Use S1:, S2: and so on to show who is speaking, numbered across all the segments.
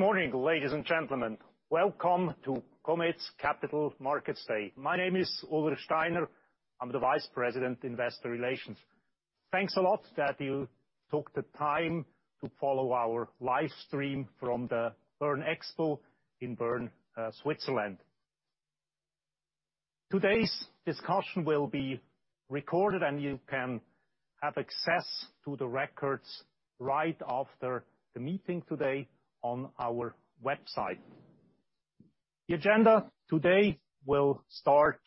S1: Good morning, ladies and gentlemen. Welcome to Comet's Capital Markets Day. My name is Ulrich Steiner. I'm the Vice President, Investor Relations. Thanks a lot that you took the time to follow our live stream from the BernExpo in Bern, Switzerland. Today's discussion will be recorded, and you can have access to the records right after the meeting today on our website. The agenda today will start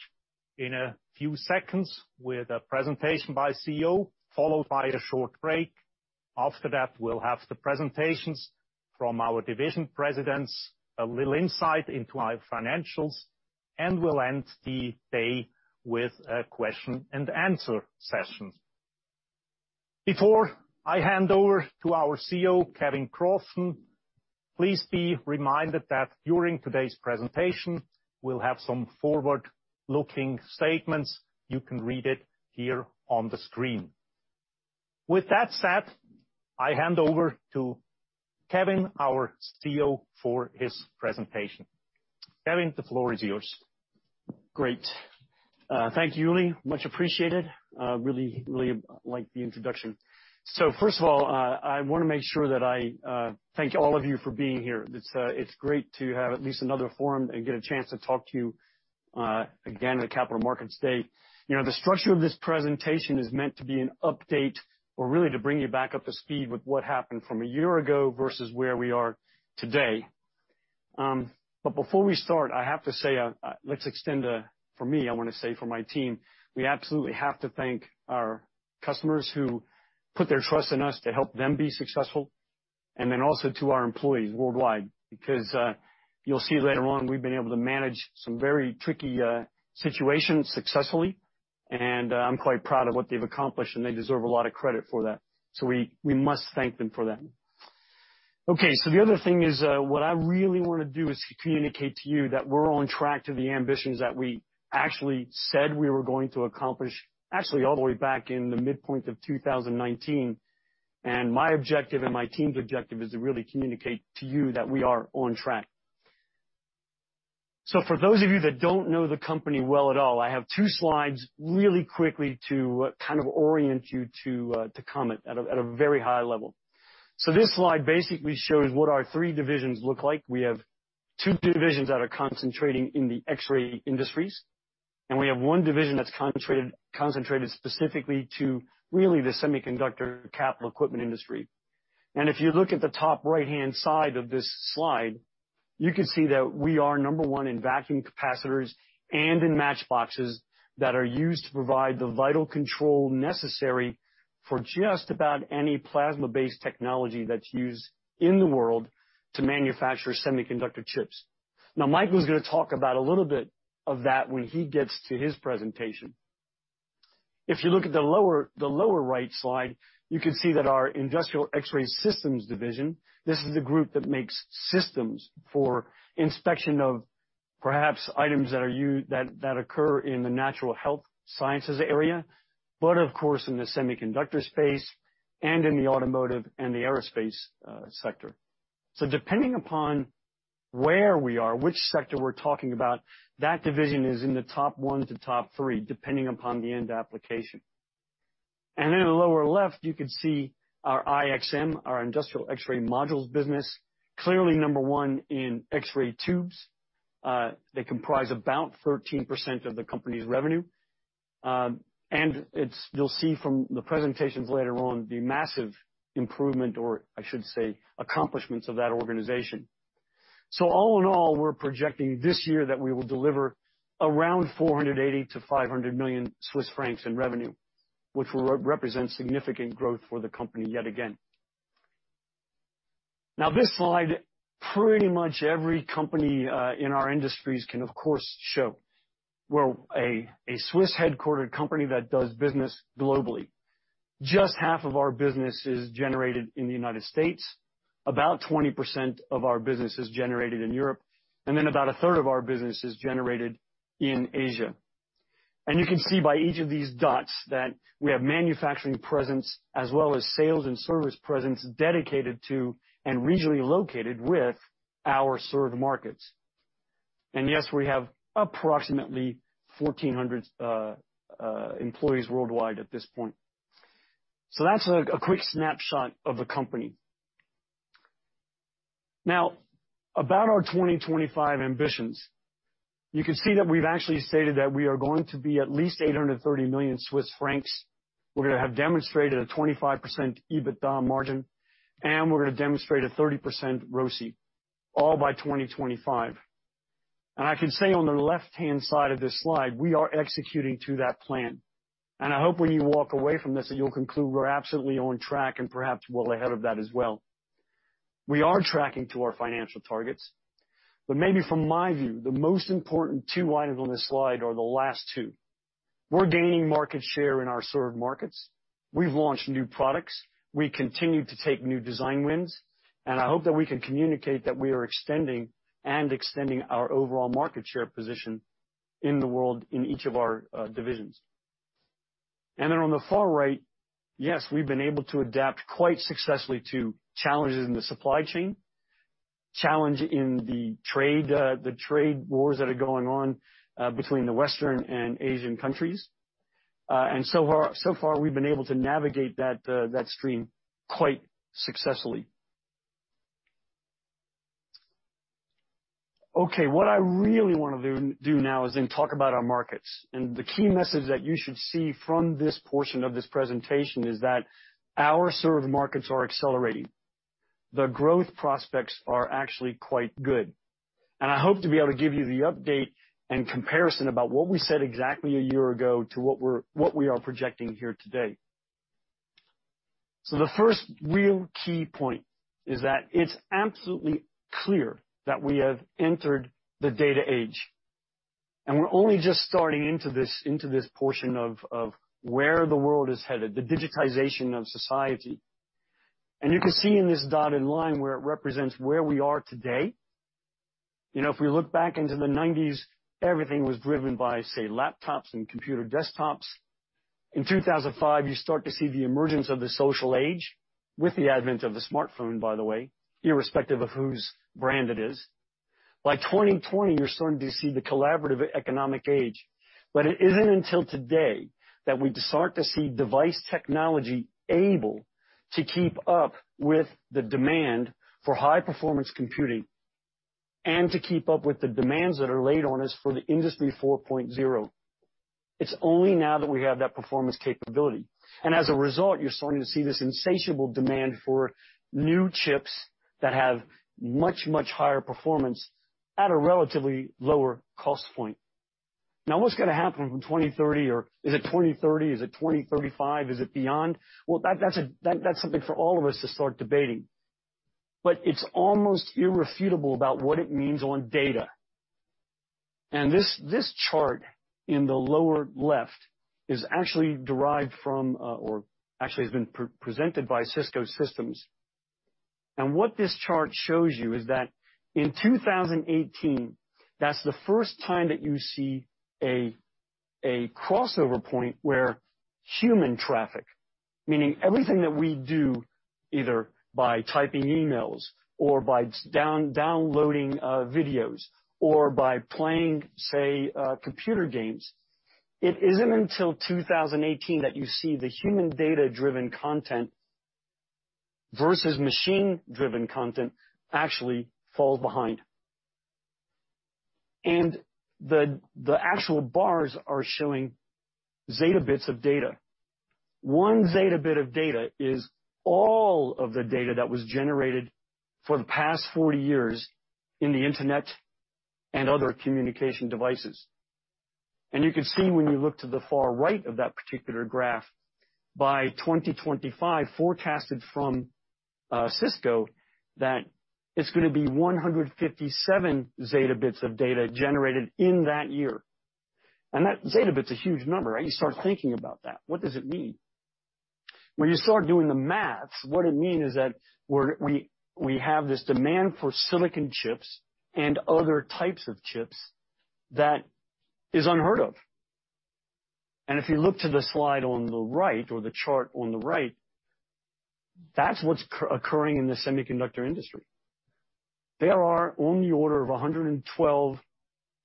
S1: in a few seconds with a presentation by CEO, followed by a short break. After that, we'll have the presentations from our division presidents, a little insight into our financials, and we'll end the day with a question and answer session. Before I hand over to our CEO, Kevin Crofton, please be reminded that during today's presentation, we'll have some forward-looking statements. You can read it here on the screen. With that said, I hand over to Kevin, our CEO, for his presentation. Kevin, the floor is yours.
S2: Great. Thank you, Uli. Much appreciated. Really like the introduction. First of all, I want to make sure that I thank all of you for being here. It's great to have at least another forum and get a chance to talk to you again at a capital markets day. You know, the structure of this presentation is meant to be an update or really to bring you back up to speed with what happened from a year ago versus where we are today. Before we start, I have to say, for me, I want to say for my team, we absolutely have to thank our customers who put their trust in us to help them be successful, and then also to our employees worldwide, because you'll see later on we've been able to manage some very tricky situations successfully, and I'm quite proud of what they've accomplished, and they deserve a lot of credit for that. We must thank them for that. Okay. The other thing is, what I really want to do is communicate to you that we're on track to the ambitions that we actually said we were going to accomplish actually all the way back in the midpoint of 2019. My objective and my team's objective is to really communicate to you that we are on track. For those of you that don't know the company well at all, I have two slides really quickly to kind of orient you to Comet at a very high level. This slide basically shows what our three divisions look like. We have two divisions that are concentrating in the X-ray industries, and we have one division that's concentrated specifically to really the semiconductor capital equipment industry. If you look at the top right-hand side of this slide, you can see that we are number one in vacuum capacitors and in matchboxes that are used to provide the vital control necessary for just about any plasma-based technology that's used in the world to manufacture semiconductor chips. Now, Michael kammerer's gonna talk about a little bit of that when he gets to his presentation. If you look at the lower right slide, you can see that our Industrial X-Ray Systems division, this is the group that makes systems for inspection of perhaps items that occur in the natural health sciences area, but of course, in the semiconductor space and in the automotive and the aerospace sector. Depending upon where we are, which sector we're talking about, that division is in the top one to top three, depending upon the end application. In the lower left, you can see our IXM, our Industrial X-Ray Modules business, clearly number one in X-ray tubes. They comprise about 13% of the company's revenue. You'll see from the presentations later on the massive improvement, or I should say, accomplishments of that organization. All in all, we're projecting this year that we will deliver around 480 million-500 million Swiss francs in revenue, which will represent significant growth for the company yet again. Now this slide, pretty much every company in our industries can of course show. We're a Swiss-headquartered company that does business globally. Just half of our business is generated in the United States. About 20% of our business is generated in Europe, and then about a third of our business is generated in Asia. You can see by each of these dots that we have manufacturing presence as well as sales and service presence dedicated to and regionally located with our served markets. Yes, we have approximately 1,400 employees worldwide at this point. That's a quick snapshot of the company. Now, about our 2025 ambitions. You can see that we've actually stated that we are going to be at least 830 million Swiss francs. We're going to have demonstrated a 25% EBITDA margin, and we're going to demonstrate a 30% ROCE, all by 2025. I can say on the left-hand side of this slide, we are executing to that plan. I hope when you walk away from this that you'll conclude we're absolutely on track and perhaps well ahead of that as well. We are tracking to our financial targets, but maybe from my view, the most important two items on this slide are the last two. We're gaining market share in our served markets. We've launched new products. We continue to take new design wins, and I hope that we can communicate that we are extending our overall market share position in the world in each of our divisions. On the far right, yes, we've been able to adapt quite successfully to challenges in the supply chain, challenge in the trade, the trade wars that are going on, between the Western and Asian countries. So far, we've been able to navigate that stream quite successfully. Okay, what I really want to do now is then talk about our markets. The key message that you should see from this portion of this presentation is that our served markets are accelerating. The growth prospects are actually quite good. I hope to be able to give you the update and comparison about what we said exactly a year ago to what we are projecting here today. The first real key point is that it's absolutely clear that we have entered the data age. We're only just starting into this portion of where the world is headed, the digitization of society. You can see in this dotted line where it represents where we are today. You know, if we look back into the nineties, everything was driven by, say, laptops and computer desktops. In 2005, you start to see the emergence of the social age with the advent of the smartphone, by the way, irrespective of whose brand it is. By 2020, you're starting to see the collaborative economic age. It isn't until today that we start to see device technology able to keep up with the demand for high performance computing and to keep up with the demands that are laid on us for the industry 4.0. It's only now that we have that performance capability. As a result, you're starting to see this insatiable demand for new chips that have much, much higher performance at a relatively lower cost point. Now, what's going to happen from 2030 or is it 2030? Is it 2035? Is it beyond? Well, that's something for all of us to start debating. It's almost irrefutable about what it means on data. This chart in the lower left is actually derived from or actually has been pre-presented by Cisco Systems. What this chart shows you is that in 2018, that's the first time that you see a crossover point where human traffic, meaning everything that we do, either by typing emails or by downloading videos or by playing computer games, it isn't until 2018 that you see the human data-driven content versus machine-driven content actually fall behind. The actual bars are showing zettabytes of data. One zettabyte of data is all of the data that was generated for the past 40 years in the internet and other communication devices. You can see when you look to the far right of that particular graph, by 2025, forecasted from Cisco, that it's going to be 157 zettabytes of data generated in that year. That zettabyte's a huge number, right? You start thinking about that. What does it mean? When you start doing the math, what it mean is that we have this demand for silicon chips and other types of chips that is unheard of. If you look to the slide on the right, or the chart on the right, that's what's occurring in the semiconductor industry. There are on the order of 112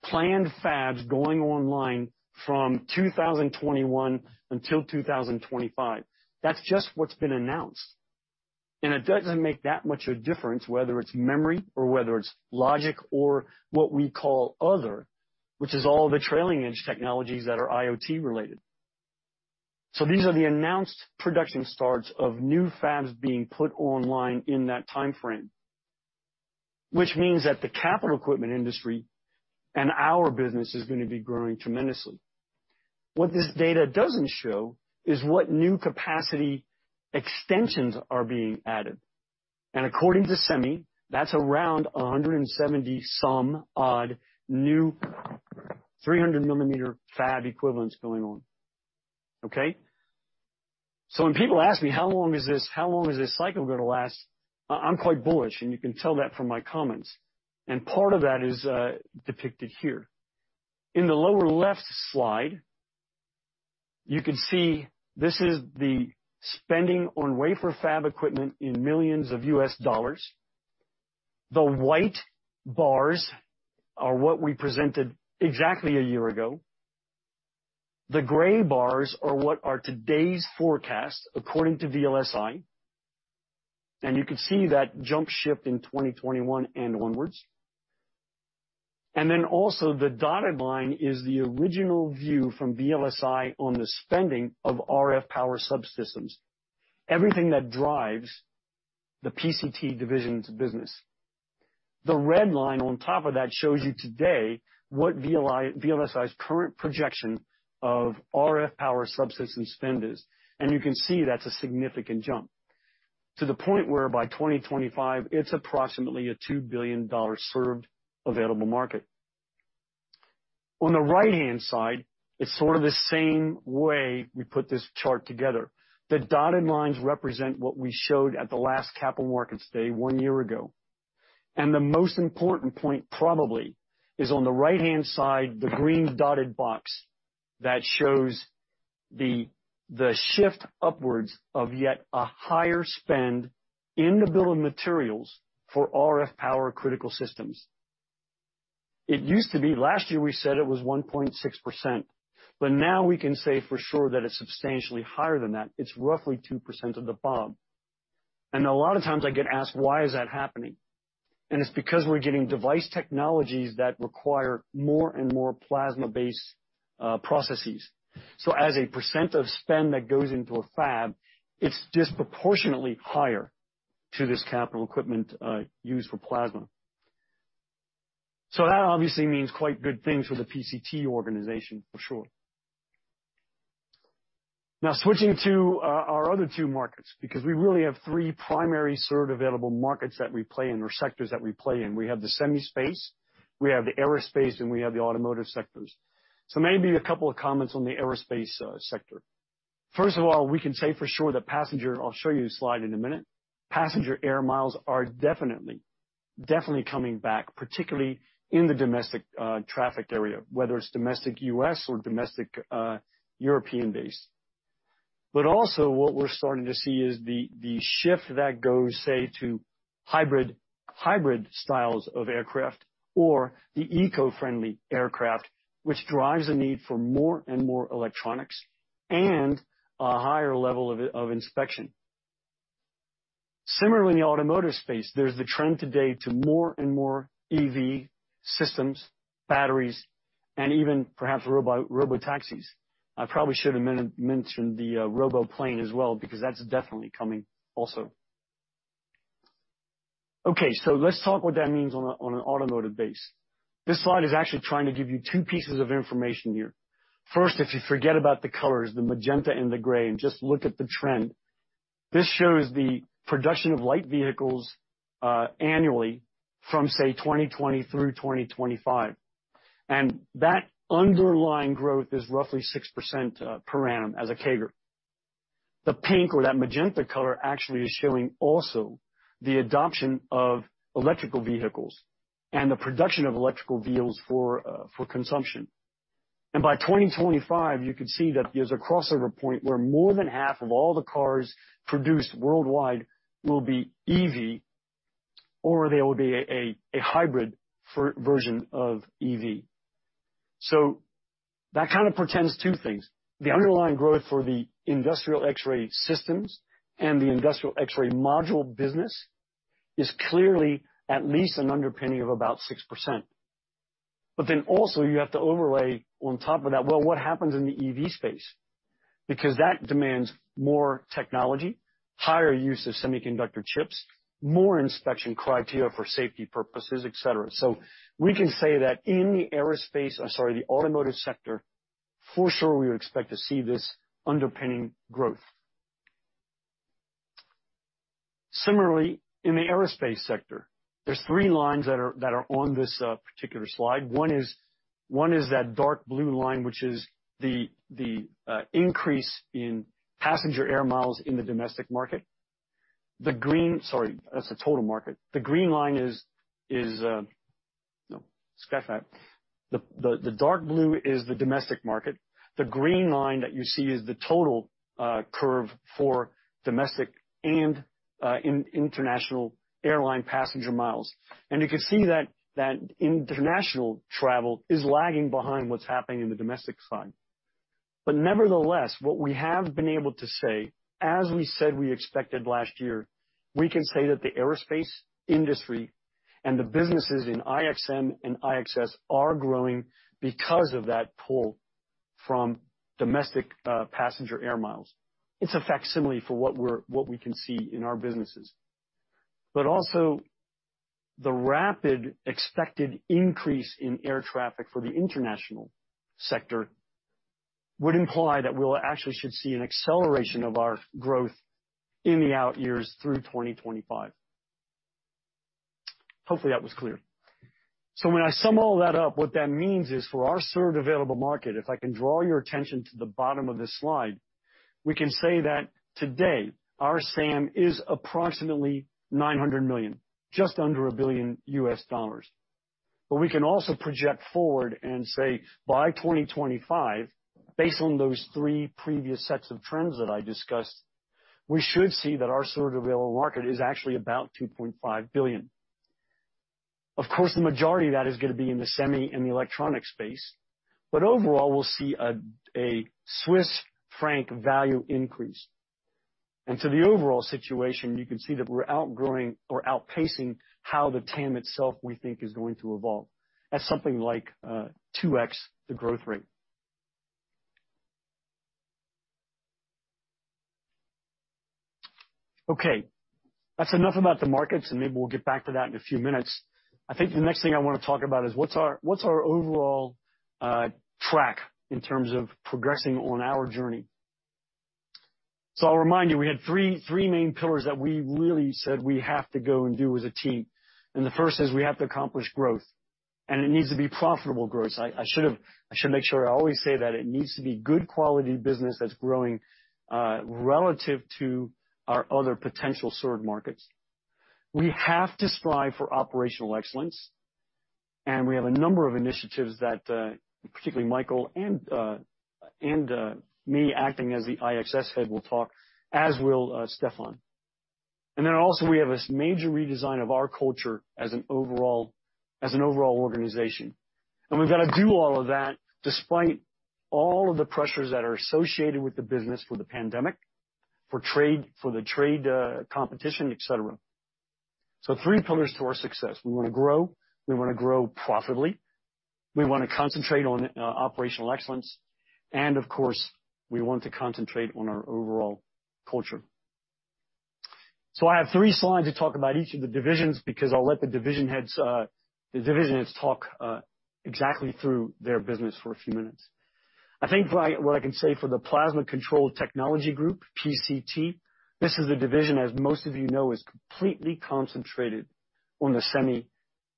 S2: planned fabs going online from 2021 until 2025. That's just what's been announced. It doesn't make that much a difference whether it's memory or whether it's logic or what we call other, which is all the trailing edge technologies that are IoT related. These are the announced production starts of new fabs being put online in that timeframe, which means that the capital equipment industry and our business is going to be growing tremendously. What this data doesn't show is what new capacity extensions are being added. According to SEMI, that's around 170-some-odd new 300-millimeter fab equivalents going on. Okay? When people ask me, "How long is this cycle going to last?" I'm quite bullish, and you can tell that from my comments. Part of that is depicted here. In the lower left slide, you can see this is the spending on wafer fab equipment in $ millions. The white bars are what we presented exactly a year ago. The gray bars are what are today's forecast according to VLSI, and you can see that jump shift in 2021 and onwards. Then also the dotted line is the original view from VLSI on the spending of RF power subsystems, everything that drives the PCT division's business. The red line on top of that shows you today what VLSI's current projection of RF power subsystem spend is, and you can see that's a significant jump, to the point where by 2025, it's approximately a $2 billion served available market. On the right-hand side, it's sort of the same way we put this chart together. The dotted lines represent what we showed at the last Capital Markets Day one year ago. The most important point probably is on the right-hand side, the green dotted box that shows the shift upwards of yet a higher spend in the bill of materials for RF power critical systems. It used to be last year we said it was 1.6%, but now we can say for sure that it's substantially higher than that. It's roughly 2% of the BOM. A lot of times I get asked, "Why is that happening?" It's because we're getting device technologies that require more and more plasma-based processes. As a percent of spend that goes into a fab, it's disproportionately higher to this capital equipment used for plasma. That obviously means quite good things for the PCT organization, for sure. Now, switching to our other two markets, because we really have three primary served available markets that we play in, or sectors that we play in. We have the semi space, we have the aerospace, and we have the automotive sectors. Maybe a couple of comments on the aerospace sector. First of all, we can say for sure that passenger, I'll show you the slide in a minute, passenger air miles are definitely coming back, particularly in the domestic traffic area, whether it's domestic US or domestic European-based. But also what we're starting to see is the shift that goes, say, to hybrid styles of aircraft or the eco-friendly aircraft, which drives the need for more and more electronics and a higher level of inspection. Similarly, in the automotive space, there's the trend today to more and more EV systems, batteries, and even perhaps robo taxis. I probably should have mentioned the robo-plane as well, because that's definitely coming also. Okay. Let's talk what that means on an automotive base. This slide is actually trying to give you two pieces of information here. First, if you forget about the colors, the magenta and the gray, and just look at the trend, this shows the production of light vehicles annually from, say, 2020 through 2025. That underlying growth is roughly 6% per annum as a CAGR. The pink or that magenta color actually is showing also the adoption of electric vehicles and the production of electric vehicles for consumption. By 2025, you can see that there's a crossover point where more than half of all the cars produced worldwide will be EV or they will be a hybrid version of EV. That kind of portends two things. The underlying growth for the Industrial X-Ray Systems and the Industrial X-Ray Modules business is clearly at least an underpinning of about 6%. also you have to overlay on top of that, well, what happens in the EV space? Because that demands more technology, higher use of semiconductor chips, more inspection criteria for safety purposes, et cetera. We can say that in the aerospace, or sorry, the automotive sector, for sure we would expect to see this underpinning growth. Similarly, in the aerospace sector, there's three lines that are on this particular slide. One is that dark blue line, which is the increase in passenger air miles in the domestic market. Sorry, that's the total market. The green line is the domestic market. No, scratch that. The dark blue is the domestic market. The green line that you see is the total curve for domestic and international airline passenger miles. You can see that international travel is lagging behind what's happening in the domestic side. Nevertheless, what we have been able to say, as we said we expected last year, we can say that the aerospace industry and the businesses in IXM and IXS are growing because of that pull from domestic passenger air miles. It's a facsimile for what we can see in our businesses. Also, the rapid expected increase in air traffic for the international sector would imply that we'll actually should see an acceleration of our growth in the out years through 2025. Hopefully that was clear. When I sum all that up, what that means is for our served available market, if I can draw your attention to the bottom of this slide, we can say that today our SAM is approximately $900 million, just under $1 billion. We can also project forward and say by 2025, based on those three previous sets of trends that I discussed, we should see that our served available market is actually about $2.5 billion. Of course, the majority of that is going to be in the semi and the electronic space, but overall, we'll see a Swiss franc value increase. The overall situation, you can see that we're outgrowing or outpacing how the TAM itself, we think, is going to evolve. That's something like 2x the growth rate. Okay. That's enough about the markets, and maybe we'll get back to that in a few minutes. I think the next thing I want to talk about is what's our overall track in terms of progressing on our journey. I'll remind you; we had three main pillars that we really said we have to go and do as a team, and the first is we have to accomplish growth. It needs to be profitable growth. I should make sure I always say that it needs to be good quality business that's growing relative to our other potential served markets. We have to strive for operational excellence, and we have a number of initiatives that particularly Michael and me acting as the IXS head will talk, as will Stefan. We have this major redesign of our culture as an overall organization. We've got to do all of that despite all of the pressures that are associated with the business, with the pandemic, for the trade, competition, et cetera. Three pillars to our success. We wanna grow, we wanna grow profitably, we wanna concentrate on operational excellence, and of course, we want to concentrate on our overall culture. I have three slides to talk about each of the divisions, because I'll let the division heads talk exactly through their business for a few minutes. I think what I can say for the Plasma Control Technologies group, PCT, this is a division, as most of you know, is completely concentrated on the semi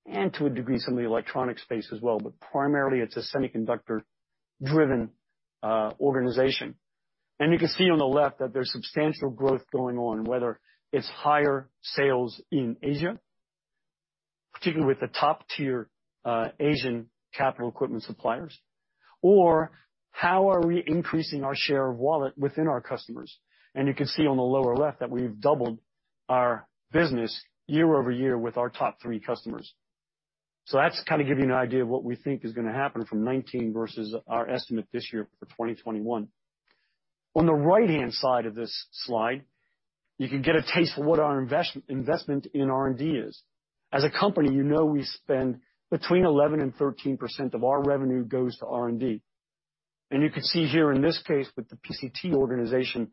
S2: and to a degree, some of the electronic space as well. Primarily, it's a semiconductor-driven organization. You can see on the left that there's substantial growth going on, whether it's higher sales in Asia, particularly with the top-tier Asian capital equipment suppliers, or how we are increasing our share of wallet within our customers. You can see on the lower left that we've doubled our business year-over-year with our top three customers. That's to kind of give you an idea of what we think is gonna happen from 2019 versus our estimate this year for 2021. On the right-hand side of this slide, you can get a taste for what our investment in R&D is. As a company, you know we spend between 11% and 13% of our revenue goes to R&D. You can see here in this case, with the PCT organization,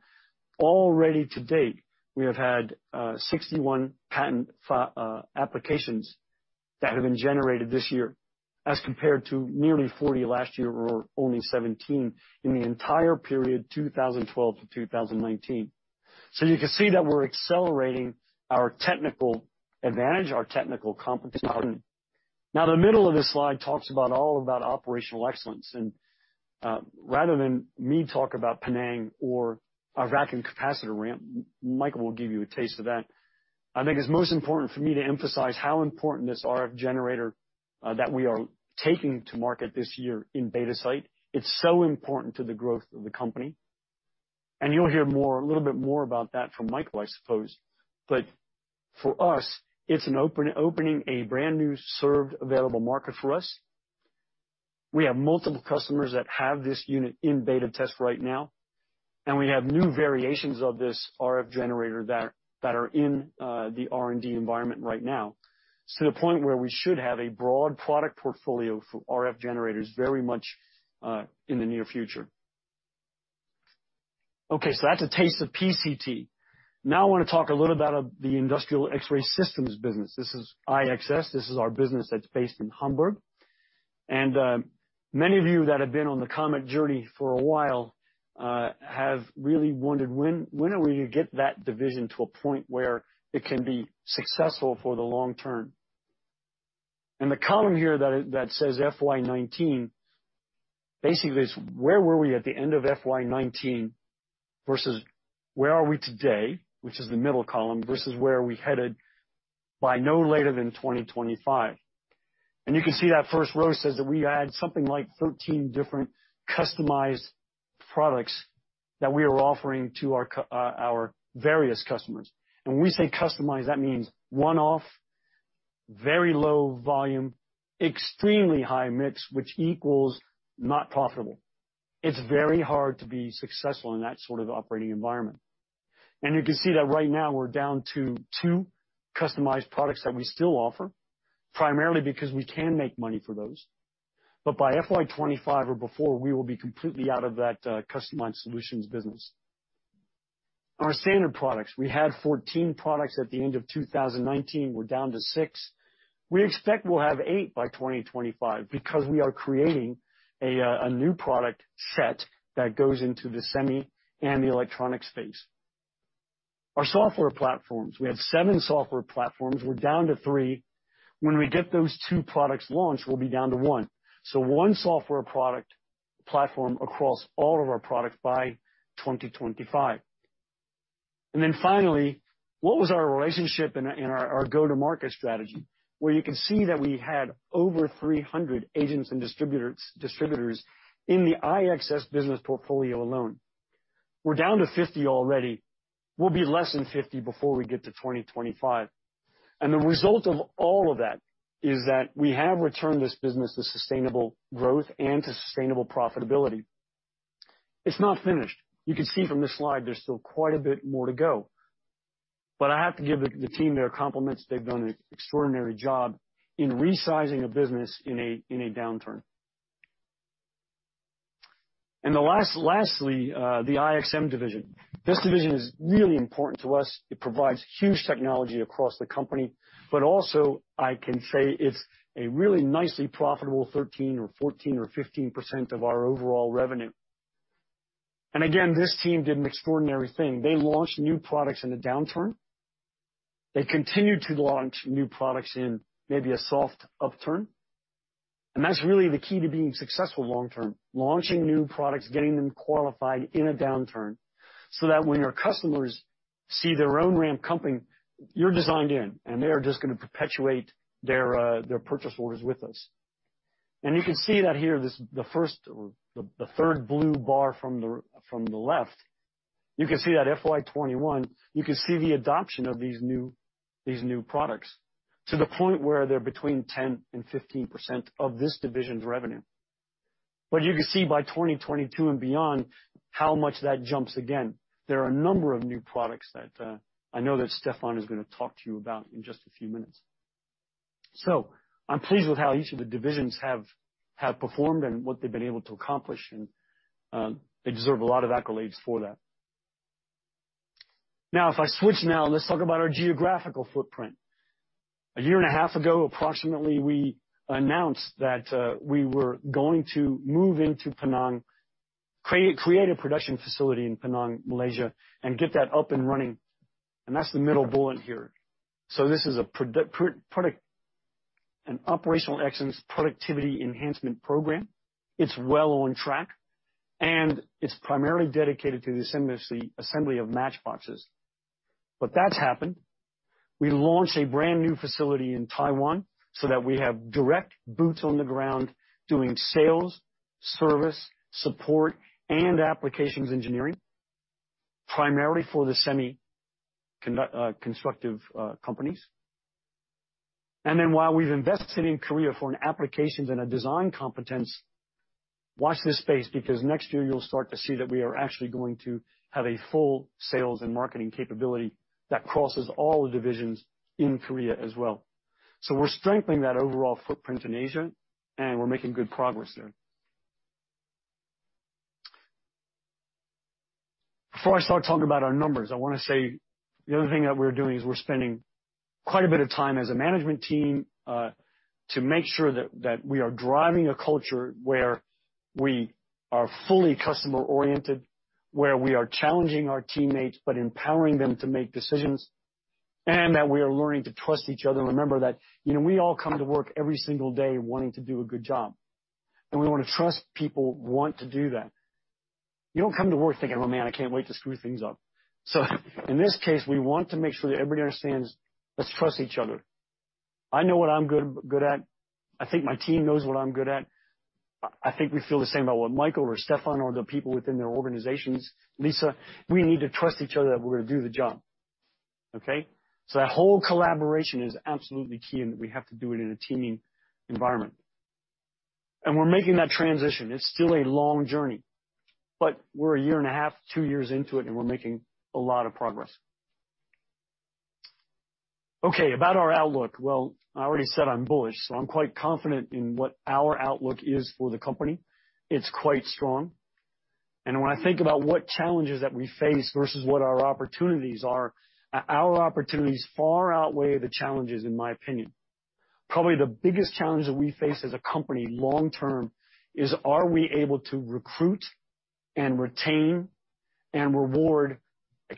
S2: already to date, we have had 61 patent applications that have been generated this year as compared to nearly 40 last year or only 17 in the entire period 2012 to 2019. You can see that we're accelerating our technical advantage, our technical competence. Now, the middle of this slide talks about all about operational excellence. Rather than me talk about Penang or our vacuum capacitor ramp, Michael will give you a taste of that. I think it's most important for me to emphasize how important this RF generator that we are taking to market this year in beta site. It's so important to the growth of the company. You'll hear more, a little bit more about that from Michael, I suppose. For us, it's opening a brand new serviceable addressable market for us. We have multiple customers that have this unit in beta test right now, and we have new variations of this RF generator that are in the R&D environment right now, to the point where we should have a broad product portfolio for RF generators very much in the near future. Okay, that's a taste of PCT. Now, I wanna talk a little about the Industrial X-Ray Systems business. This is IXS, this is our business that's based in Hamburg. Many of you that have been on the Comet journey for a while have really wondered when are we gonna get that division to a point where it can be successful for the long term. The column here that says FY 2019 basically is where were we at the end of FY 2019 versus where are we today, which is the middle column, versus where are we headed by no later than 2025. You can see that first row says that we had something like 13 different customized products that we were offering to our various customers. When we say customized, that means one-off, very low volume, extremely high mix, which equals not profitable. It's very hard to be successful in that sort of operating environment. You can see that right now we're down to two customized products that we still offer, primarily because we can make money for those. By FY 2025 or before, we will be completely out of that customized solutions business. Our standard products, we had 14 products at the end of 2019. We're down to six. We expect we'll have eight by 2025 because we are creating a new product set that goes into the semi and the electronic space. Our software platforms, we have seven software platforms. We're down to three. When we get those two products launched, we'll be down to one. One software product platform across all of our products by 2025. Then finally, what was our relationship and our go-to-market strategy? Where you can see that we had over 300 agents and distributors in the IXS business portfolio alone. We're down to 50 already. We'll be less than 50 before we get to 2025. The result of all of that is that we have returned this business to sustainable growth and to sustainable profitability. It's not finished. You can see from this slide there's still quite a bit more to go. I have to give the team their compliments. They've done an extraordinary job in resizing a business in a downturn. Lastly, the IXM division. This division is really important to us. It provides huge technology across the company, but also, I can say it's a really nicely profitable 13% or 14% or 15% of our overall revenue. Again, this team did an extraordinary thing. They launched new products in a downturn. They continued to launch new products in maybe a soft upturn. That's really the key to being successful long term, launching new products, getting them qualified in a downturn, so that when your customers see their own ramp coming, you're designed in, and they are just gonna perpetuate their purchase orders with us. You can see that here, the third blue bar from the left, you can see that FY 2021, you can see the adoption of these new products to the point where they're between 10% and 15% of this division's revenue. You can see by 2022 and beyond how much that jumps again. There are a number of new products that I know that Stephan is gonna talk to you about in just a few minutes. I'm pleased with how each of the divisions have performed and what they've been able to accomplish, and they deserve a lot of accolades for that. Now, if I switch now, let's talk about our geographical footprint. A year and a half ago, approximately, we announced that we were going to move into Penang, create a production facility in Penang, Malaysia, and get that up and running, and that's the middle bullet here. This is a product, an operational excellence productivity enhancement program. It's well on track, and it's primarily dedicated to the assembly of matchboxes. That's happened. We launched a brand-new facility in Taiwan so that we have direct boots on the ground doing sales, service, support, and applications engineering, primarily for the semiconductor companies. While we've invested in Korea for an applications and a design competence, watch this space because next year you'll start to see that we are actually going to have a full sales and marketing capability that crosses all the divisions in Korea as well. We're strengthening that overall footprint in Asia, and we're making good progress there. Before I start talking about our numbers, I wanna say the other thing that we're doing is we're spending quite a bit of time as a management team to make sure that we are driving a culture where we are fully customer-oriented, where we are challenging our teammates, but empowering them to make decisions, and that we are learning to trust each other. Remember that, you know, we all come to work every single day wanting to do a good job. We want to trust people want to do that. You don't come to work thinking, "Oh, man, I can't wait to screw things up." In this case, we want to make sure that everybody understands, let's trust each other. I know what I'm good at. I think my team knows what I'm good at. I think we feel the same about what Michael or Stephan or the people within their organizations, Lisa, we need to trust each other that we're gonna do the job, okay? That whole collaboration is absolutely key, and we have to do it in a teaming environment. We're making that transition. It's still a long journey, but we're a year and a half, 2 years into it, and we're making a lot of progress. Okay, about our outlook. Well, I already said I'm bullish, so I'm quite confident in what our outlook is for the company. It's quite strong. When I think about what challenges that we face versus what our opportunities are, our opportunities far outweigh the challenges in my opinion. Probably the biggest challenge that we face as a company long term is, are we able to recruit and retain and reward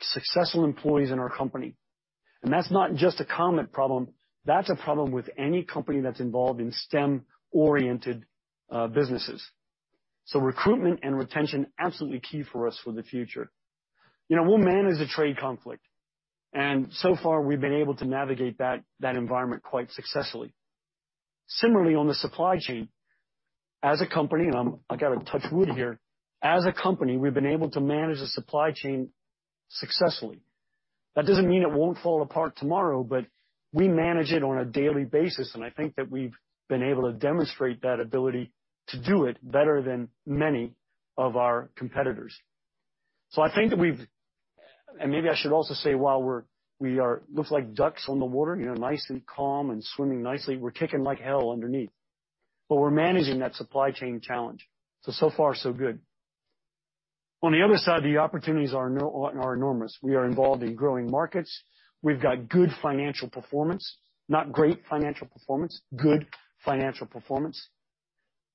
S2: successful employees in our company? That's not just a Comet problem. That's a problem with any company that's involved in STEM-oriented businesses. Recruitment and retention, absolutely key for us for the future. You know, we'll manage the trade conflict, and so far, we've been able to navigate that environment quite successfully. Similarly, on the supply chain, as a company, I gotta touch wood here. As a company, we've been able to manage the supply chain successfully. That doesn't mean it won't fall apart tomorrow, but we manage it on a daily basis, and I think that we've been able to demonstrate that ability to do it better than many of our competitors. I think that we've... Maybe I should also say while we look like ducks on the water, you know, nice and calm and swimming nicely, we're kicking like hell underneath. We're managing that supply chain challenge. So far so good. On the other side, the opportunities are enormous. We are involved in growing markets. We've got good financial performance, not great,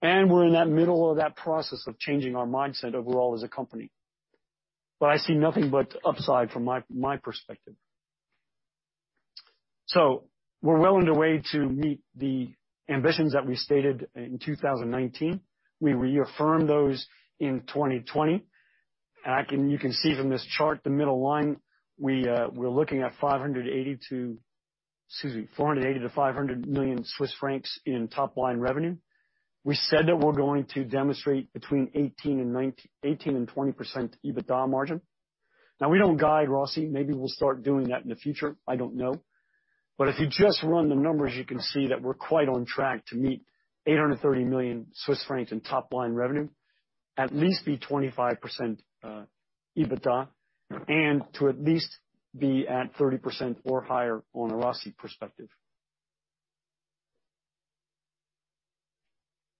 S2: and we're in the middle of the process of changing our mindset overall as a company. I see nothing but upside from my perspective. We're well on the way to meet the ambitions that we stated in 2019. We reaffirmed those in 2020. You can see from this chart, the middle line, we're looking at 580 to. Excuse me, 480 million-500 million Swiss francs in top-line revenue. We said that we're going to demonstrate between 18% and 20% EBITDA margin. Now, we don't guide ROSI. Maybe we'll start doing that in the future. I don't know. If you just run the numbers, you can see that we're quite on track to meet 830 million Swiss francs in top-line revenue, at least 25% EBITDA, and to at least be at 30% or higher on a ROSI perspective.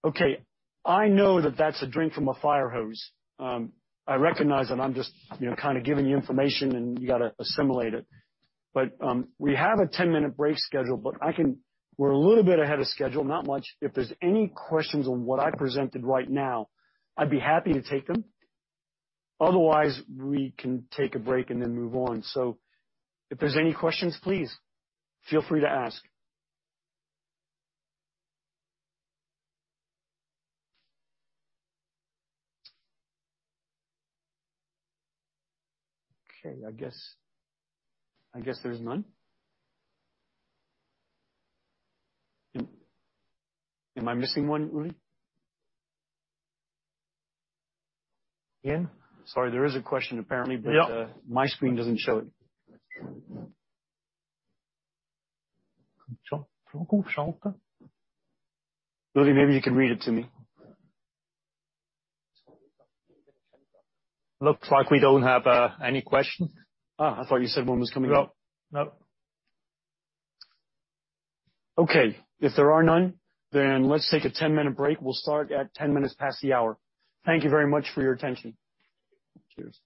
S2: Okay, I know that that's a drink from a fire hose. I recognize that I'm just, you know, kind of giving you information, and you gotta assimilate it. We have a 10-minute break schedule, but we're a little bit ahead of schedule, not much. If there's any questions on what I presented right now, I'd be happy to take them. Otherwise, we can take a break and then move on. If there's any questions, please feel free to ask. Okay. I guess there is none. Am I missing one, Uli? Ian? Sorry, there is a question, apparently. Yeah. My screen doesn't show it. Uli, maybe you can read it to me. Looks like we don't have any questions. I thought you said one was coming up. No. No. Okay. If there are none, then let's take a 10-minute break. We'll start at 10 minutes past the hour. Thank you very much for your attention. Cheers.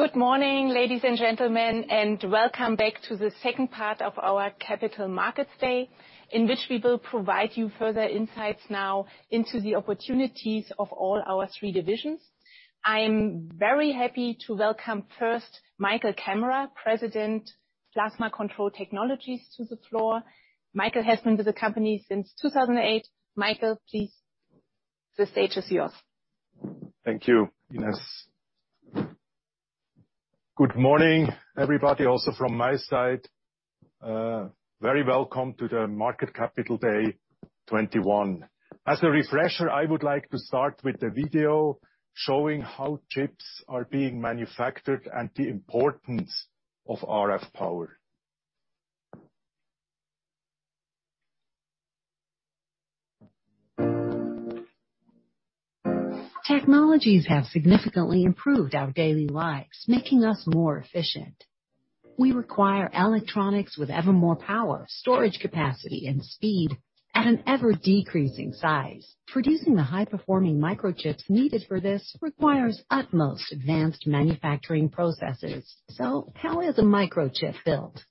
S3: Good morning, ladies and gentlemen, and welcome back to the second part of our Capital Markets Day, in which we will provide you further insights now into the opportunities of all our three divisions. I am very happy to welcome first Michael kammerer, President, Plasma Control Technologies, to the floor. Michael has been with the company since 2008. Michael, please, the stage is yours.
S4: Thank you, Ines. Good morning, everybody. Also from my side, very welcome to the Capital Markets Day 21. As a refresher, I would like to start with a video showing how chips are being manufactured and the importance of RF power.
S5: Technologies have significantly improved our daily lives, making us more efficient. We require electronics with ever more power, storage capacity, and speed at an ever-decreasing size. Producing the high-performing microchips needed for this requires most advanced manufacturing processes. How is a microchip built?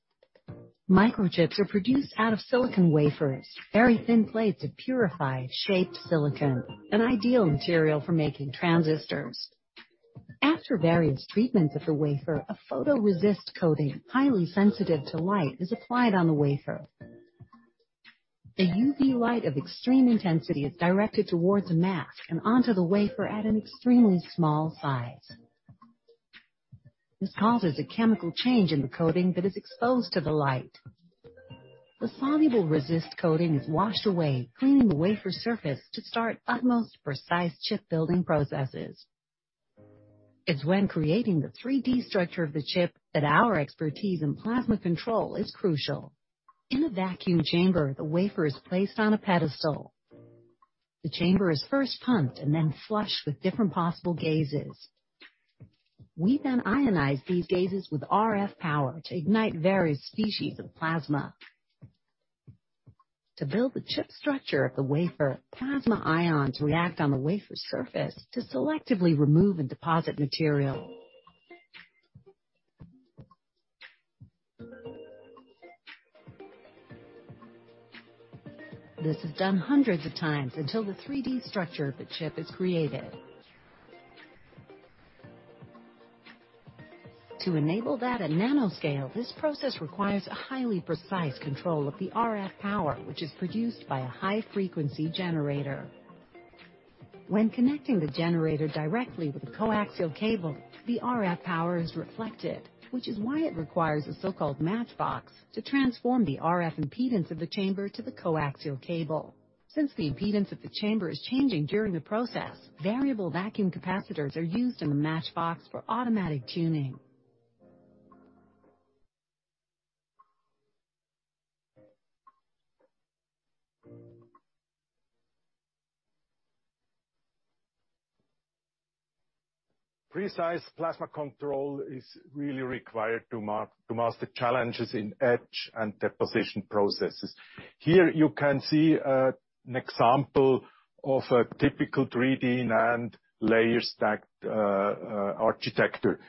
S5: Microchips are produced out of silicon wafers, very thin plates of purified, shaped silicon, an ideal material for making transistors. After various treatments of the wafer, a photoresist coating, highly sensitive to light, is applied on the wafer. The UV light of extreme intensity is directed towards a mask and onto the wafer at an extremely small size. This causes a chemical change in the coating that is exposed to the light. The soluble resist coating is washed away, cleaning the wafer surface to start most precise chip building processes. It's when creating the 3D structure of the chip that our expertise in plasma control is crucial. In the vacuum chamber, the wafer is placed on a pedestal. The chamber is first pumped and then flushed with different possible gases. We then ionize these gases with RF power to ignite various species of plasma. To build the chip structure of the wafer, plasma ions react on the wafer surface to selectively remove and deposit material. This is done hundreds of times until the 3D structure of the chip is created. To enable that at nanoscale, this process requires a highly precise control of the RF power, which is produced by a high-frequency generator. When connecting the generator directly with a coaxial cable, the RF power is reflected, which is why it requires a so-called matchbox to transform the RF impedance of the chamber to the coaxial cable. Since the impedance of the chamber is changing during the process, variable vacuum capacitors are used in the matchbox for automatic tuning.
S4: Precise plasma control is really required to master challenges in etch and deposition processes. Here you can see an example of a typical 3D NAND layer stacked architecture.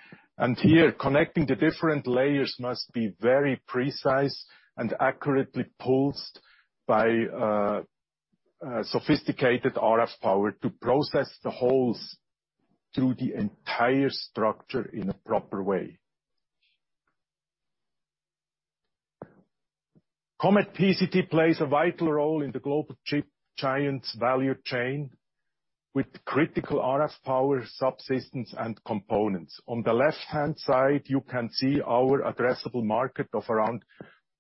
S4: Here, connecting the different layers must be very precise and accurately pulsed by sophisticated RF power to process the holes through the entire structure in a proper way. Comet PCT plays a vital role in the global chip giant's value chain with critical RF power subsystems and components. On the left-hand side, you can see our addressable market of around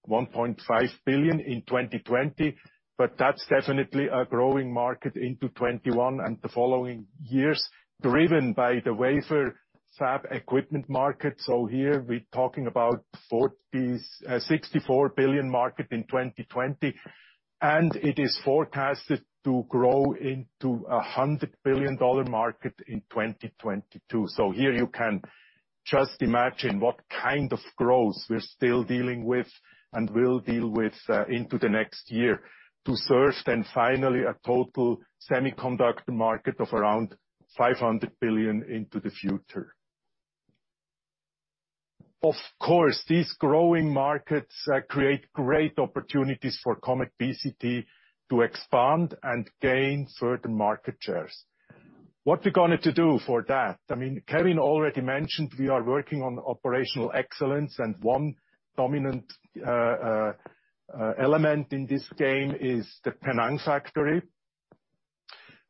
S4: $1.5 billion in 2020, but that's definitely a growing market into 2021 and the following years, driven by the wafer fab equipment market. Here, we're talking about $64 billion market in 2020, and it is forecasted to grow into a $100 billion market in 2022. Here you can just imagine what kind of growth we're still dealing with and will deal with into the next year to serve then finally a total semiconductor market of around $500 billion into the future. Of course, these growing markets create great opportunities for Comet PCT to expand and gain certain market shares. What we're gonna do for that? I mean, Kevin already mentioned we are working on operational excellence, and one dominant element in this game is the Penang factory.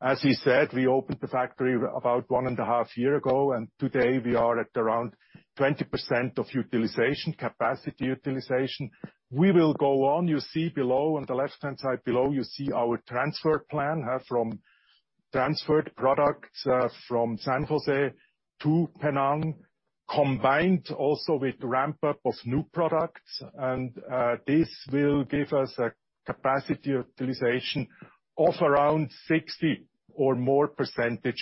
S4: As he said, we opened the factory about one and a half year ago, and today we are at around 20% capacity utilization. We will go on. You see below on the left-hand side below you see our transfer plan from transferred products from San Jose to Penang, combined also with ramp-up of new products. This will give us a capacity utilization of around 60% or more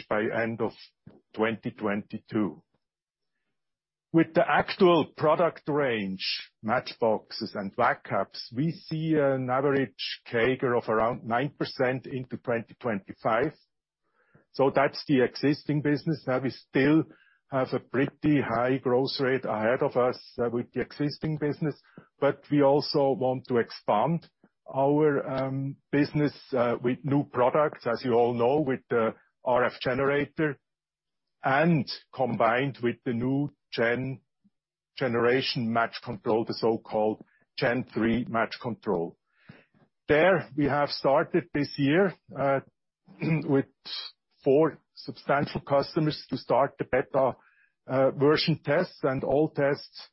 S4: by end of 2022. With the actual product range, matchboxes and VacCaps, we see an average CAGR of around 9% into 2025. That's the existing business. Now we still have a pretty high growth rate ahead of us with the existing business, but we also want to expand our business with new products, as you all know, with the RF generator and combined with the new generation match control, the so-called gen 3 match control. There, we have started this year with 4 substantial customers to start the beta version tests. All tests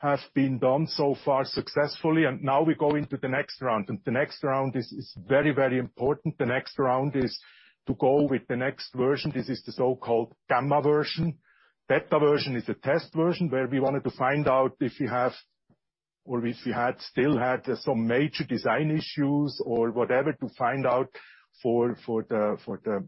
S4: have been done so far successfully, and now we go into the next round. The next round is very important. The next round is to go with the next version. This is the so-called gamma version. Beta version is a test version where we wanted to find out if we have or if we had, still had some major design issues or whatever to find out for the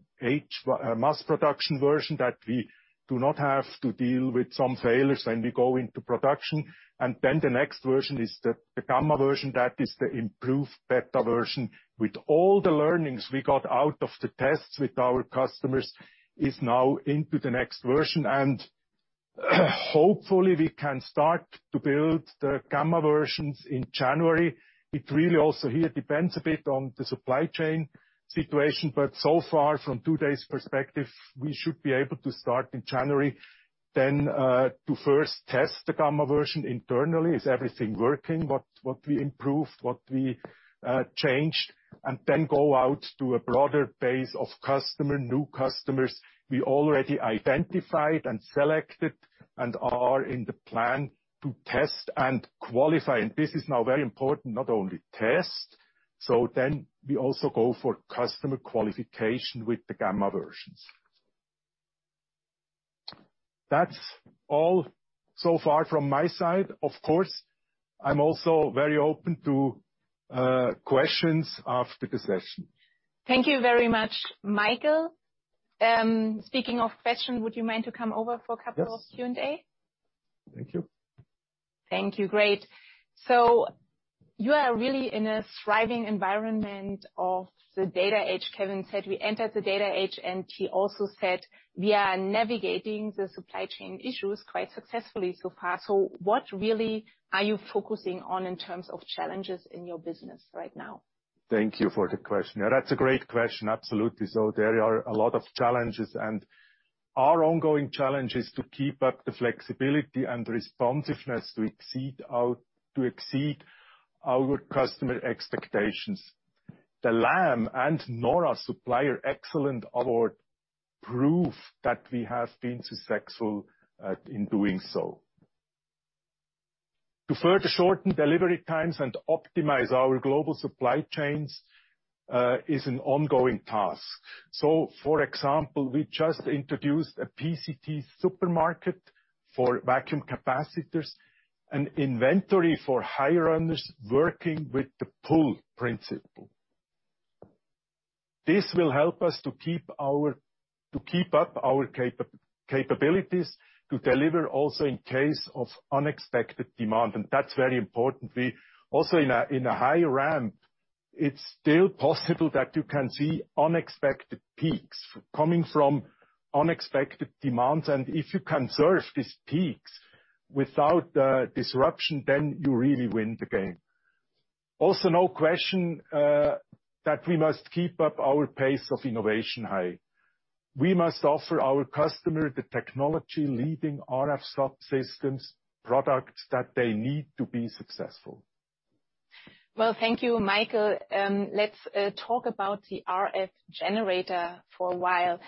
S4: mass production version, that we do not have to deal with some failures when we go into production. The next version is the gamma version. That is the improved beta version. With all the learnings we got out of the tests with our customers is now into the next version. Hopefully we can start to build the gamma versions in January. It really also here depends a bit on the supply chain situation, but so far, from today's perspective, we should be able to start in January. To first test the gamma version internally. Is everything working? What we improved, what we changed, and then go out to a broader base of customer, new customers we already identified and selected and are in the plan to test and qualify. This is now very important, not only test. We also go for customer qualification with the gamma versions. That's all so far from my side. Of course, I'm also very open to questions after the session.
S3: Thank you very much, Michael kammerer. Speaking of questions, would you mind to come over for a couple of Q&A?
S4: Yes. Thank you.
S3: Thank you. Great. You are really in a thriving environment of the data age. Kevin said we entered the data age, and he also said we are navigating the supply chain issues quite successfully so far. What really are you focusing on in terms of challenges in your business right now?
S4: Thank you for the question. Yeah, that's a great question, absolutely. There are a lot of challenges, and our ongoing challenge is to keep up the flexibility and responsiveness to exceed our customer expectations. The Lam and NAURA Supplier Excellence Award proves that we have been successful in doing so. To further shorten delivery times and optimize our global supply chains is an ongoing task. For example, we just introduced a PCT supermarket for vacuum capacitors and inventory for high runners working with the pull principle. This will help us to keep up our capabilities to deliver also in case of unexpected demand. That's very importantly. Also, in a high ramp, it's still possible that you can see unexpected peaks coming from unexpected demands. If you can serve these peaks without disruption, then you really win the game. No question that we must keep up our pace of innovation high. We must offer our customer the technology leading RF subsystems products that they need to be successful.
S3: Well, thank you, Michael. Let's talk about the RF generator for a while.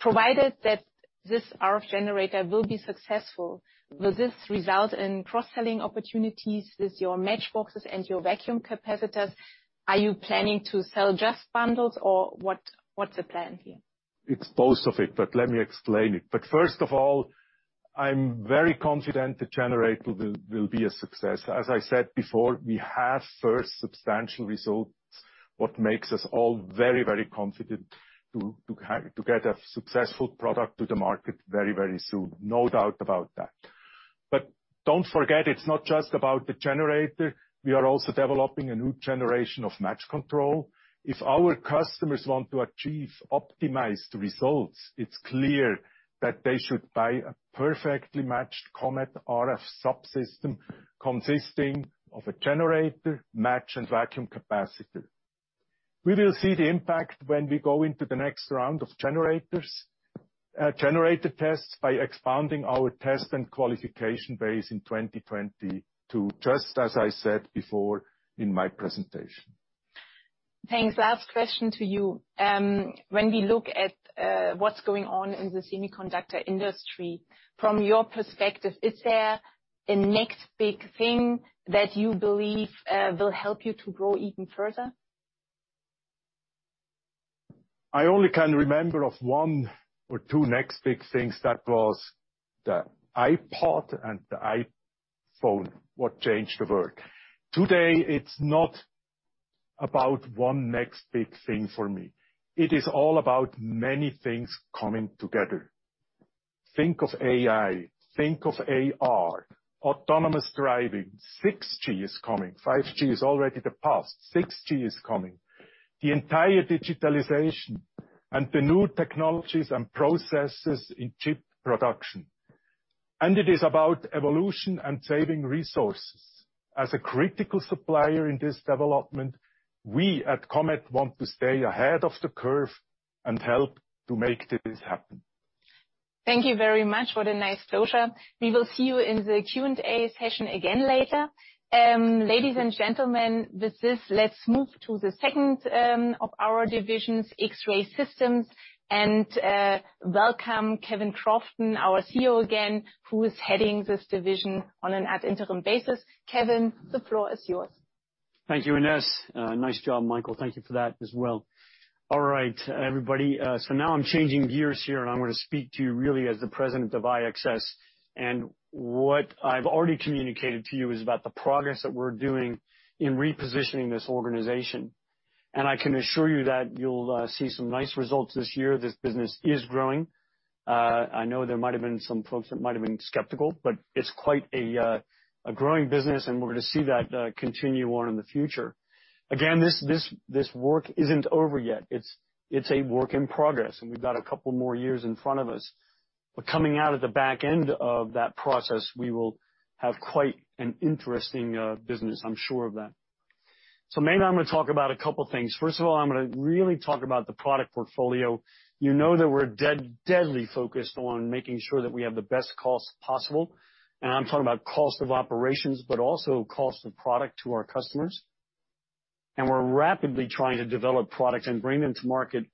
S3: Provided that this RF generator will be successful, will this result in cross-selling opportunities with your matchboxes and your vacuum capacitors? Are you planning to sell just bundles or what's the plan here?
S4: It's both of it, but let me explain it. First of all, I'm very confident the generator will be a success. As I said before, we have first substantial results, what makes us all very, very confident to get a successful product to the market very, very soon. No doubt about that. Don't forget, it's not just about the generator. We are also developing a new generation of match control. If our customers want to achieve optimized results, it's clear that they should buy a perfectly matched Comet RF subsystem consisting of a generator, match, and vacuum capacitor. We will see the impact when we go into the next round of generator tests by expanding our test and qualification base in 2022, just as I said before in my presentation.
S3: Thanks. Last question to you. When we look at what's going on in the semiconductor industry, from your perspective, is there a next big thing that you believe will help you to grow even further?
S4: I only can remember of one or two next big things. That was the iPod and the iPhone, what changed the world. Today, it's not about one next big thing for me. It is all about many things coming together. Think of AI, think of AR, autonomous driving. 6G is coming. 5G is already the past. 6G is coming. The entire digitalization and the new technologies and processes in chip production, it is about evolution and saving resources. As a critical supplier in this development, we at Comet want to stay ahead of the curve and help to make this happen.
S3: Thank you very much. What a nice closure. We will see you in the Q&A session again later. Ladies and gentlemen, with this, let's move to the second of our divisions, X-Ray Systems, and welcome Kevin Crofton, our CEO again, who is heading this division on an ad interim basis. Kevin, the floor is yours.
S2: Thank you, Ines. Nice job, Michael. Thank you for that as well. All right, everybody. Now I'm changing gears here, and I'm going to speak to you really as the President of IXS. What I've already communicated to you is about the progress that we're doing in repositioning this organization. I can assure you that you'll see some nice results this year. This business is growing. I know there might've been some folks that might've been skeptical, but it's quite a growing business, and we're going to see that continue on in the future. Again, this work isn't over yet. It's a work in progress, and we've got a couple more years in front of us. Coming out of the back end of that process, we will have quite an interesting business. I'm sure of that. Mainly, I'm going to talk about a couple things. First of all, I'm going to really talk about the product portfolio. You know that we're deadly focused on making sure that we have the best cost possible. I'm talking about cost of operations but also cost of product to our customers. We're rapidly trying to develop products and bring them to market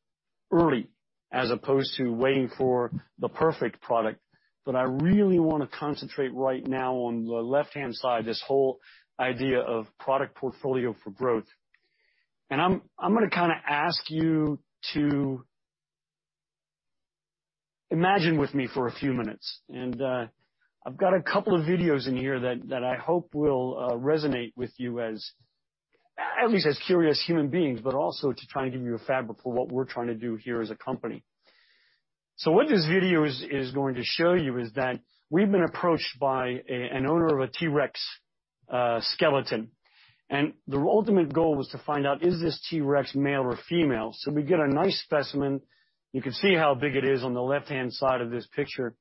S2: early as opposed to waiting for the perfect product. I really want to concentrate right now on the left-hand side, this whole idea of product portfolio for growth. I'm going to kind of ask you to imagine with me for a few minutes. I've got a couple of videos in here that I hope will resonate with you as at least as curious human beings, but also to try and give you a fabric for what we're trying to do here as a company. What this video is going to show you is that we've been approached by an owner of a T-Rex skeleton. The ultimate goal was to find out, is this T-Rex male or female? We get a nice specimen. You can see how big it is on the left-hand side of this picture.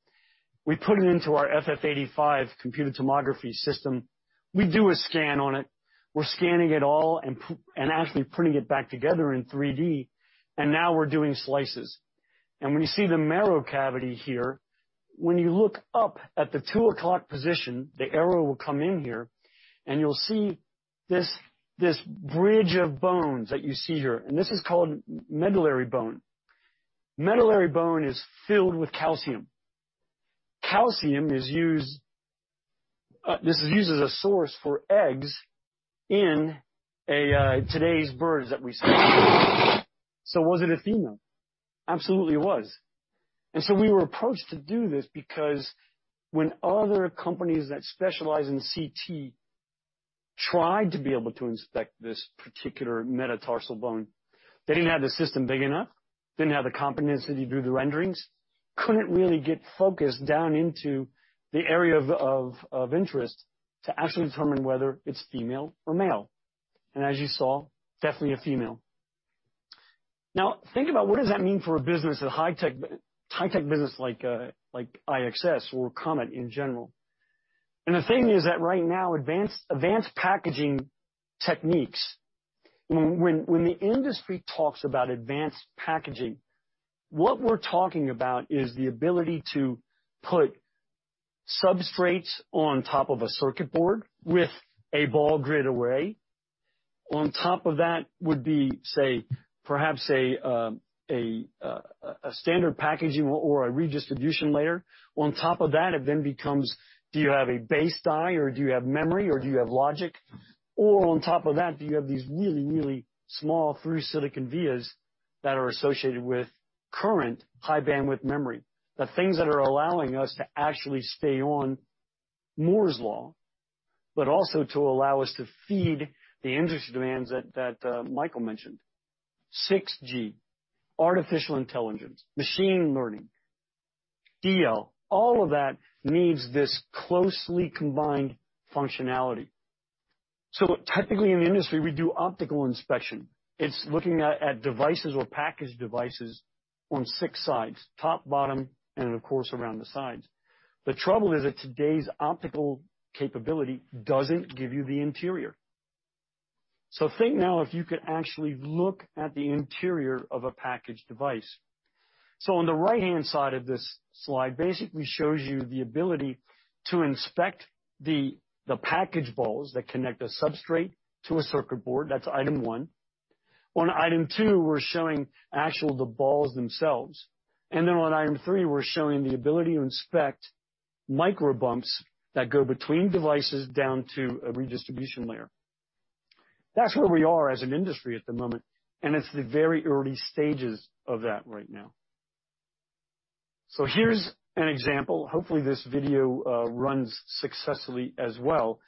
S2: We put it into our FF85 computed tomography system. We do a scan on it. We're scanning it all and actually putting it back together in 3D. Now we're doing slices. When you see the marrow cavity here, when you look up at the two o'clock position, the arrow will come in here, and you'll see this bridge of bones that you see here. This is called medullary bone. Medullary bone is filled with calcium. Calcium is used, this is used as a source for eggs in today's birds that we see. Was it a female? Absolutely, it was. We were approached to do this because when other companies that specialize in CT tried to be able to inspect this particular metatarsal bone, they didn't have the system big enough, didn't have the competency to do the renderings, couldn't really get focused down into the area of interest to actually determine whether it's female or male. As you saw, definitely a female. Now think about what does that mean for a business, a high-tech business like IXS or Comet in general. The thing is that right now, advanced packaging techniques. When the industry talks about advanced packaging, what we're talking about is the ability to put substrates on top of a circuit board with a Ball Grid Array. On top of that would be, say, perhaps a standard packaging or a Redistribution Layer. On top of that, it then becomes do you have a base die, or do you have memory, or do you have logic? Or on top of that, do you have these really small through-silicon vias that are associated with current high bandwidth memory? The things that are allowing us to actually stay on Moore's Law, but also to allow us to feed the industry demands that Michael mentioned. 6G, artificial intelligence, machine learning, DL, all of that needs this closely combined functionality. Technically in the industry, we do optical inspection. It's looking at devices or packaged devices on six sides, top, bottom and of course, around the sides. The trouble is that today's optical capability doesn't give you the interior. Think now if you could actually look at the interior of a packaged device. On the right-hand side of this slide basically shows you the ability to inspect the package balls that connect a substrate to a circuit board. That's item one. On item two, we're showing actually the balls themselves. Then on item three, we're showing the ability to inspect micro bumps that go between devices down to a Redistribution Layer. That's where we are as an industry at the moment, and it's the very early stages of that right now. Here's an example. Hopefully, this video runs successfully as well.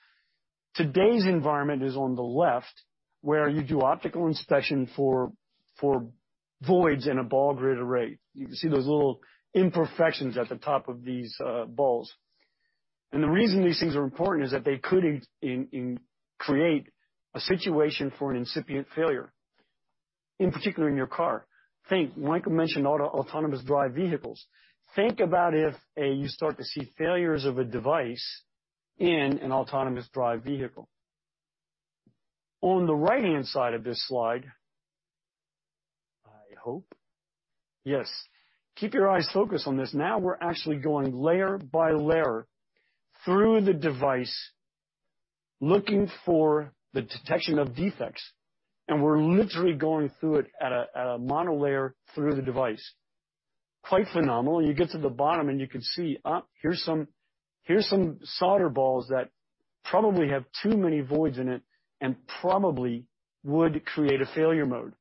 S2: Today's environment is on the left, where you do optical inspection for voids in a Ball Grid Array. You can see those little imperfections at the top of these balls. The reason these things are important is that they could create a situation for an incipient failure, in particular in your car. Think, Michael mentioned autonomous drive vehicles. Think about if you start to see failures of a device in an autonomous drive vehicle. On the right-hand side of this slide, I hope. Yes. Keep your eyes focused on this. Now we're actually going layer by layer through the device, looking for the detection of defects, and we're literally going through it at a monolayer through the device. Quite phenomenal. You get to the bottom, and you can see, here's some solder balls that probably have too many voids in it and probably would create a failure mode.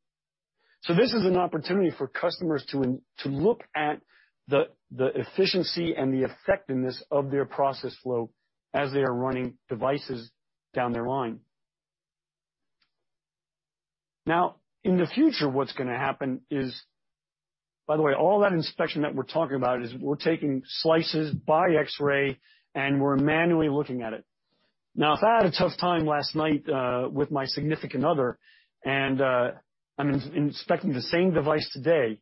S2: So this is an opportunity for customers to look at the efficiency and the effectiveness of their process flow as they are running devices down their line. Now, in the future, what's going to happen is. By the way, all that inspection that we're talking about is we're taking slices by X-ray, and we're manually looking at it. Now, if I had a tough time last night with my significant other, and I'm inspecting the same device today,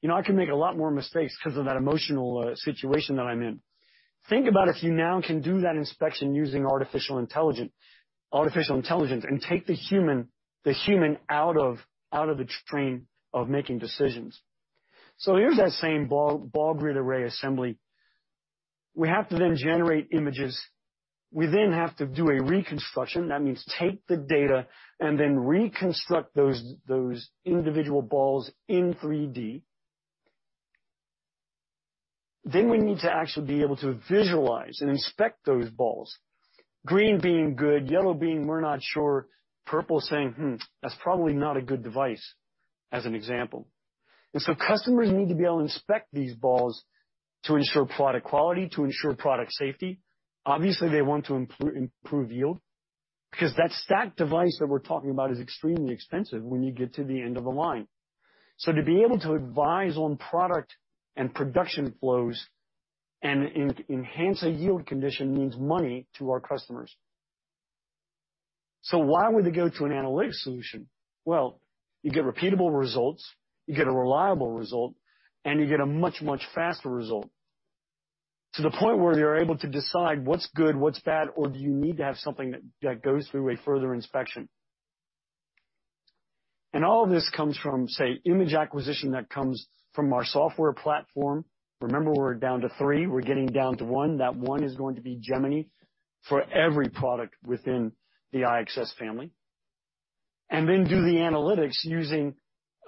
S2: you know, I can make a lot more mistakes cause of that emotional situation that I'm in. Think about if you now can do that inspection using artificial intelligence and take the human out of the train of making decisions. Here's that same Ball Grid Array assembly. We have to then generate images. We then have to do a reconstruction. That means take the data and then reconstruct those individual balls in 3D. Then we need to actually be able to visualize and inspect those balls. Green being good, yellow being we're not sure, purple saying, "Hmm, that's probably not a good device," as an example. Customers need to be able to inspect these balls to ensure product quality, to ensure product safety. Obviously, they want to improve yield cause that stacked device that we're talking about is extremely expensive when you get to the end of a line. To be able to advise on product and production flows and enhance a yield condition means money to our customers. Why would they go to an analytics solution? Well, you get repeatable results, you get a reliable result, and you get a much, much faster result, to the point where you're able to decide what's good, what's bad, or do you need to have something that goes through a further inspection. All of this comes from, say, image acquisition that comes from our software platform. Remember, we're down to three. We're getting down to one. That one is going to be Geminy for every product within the IXS family. Then do the analytics using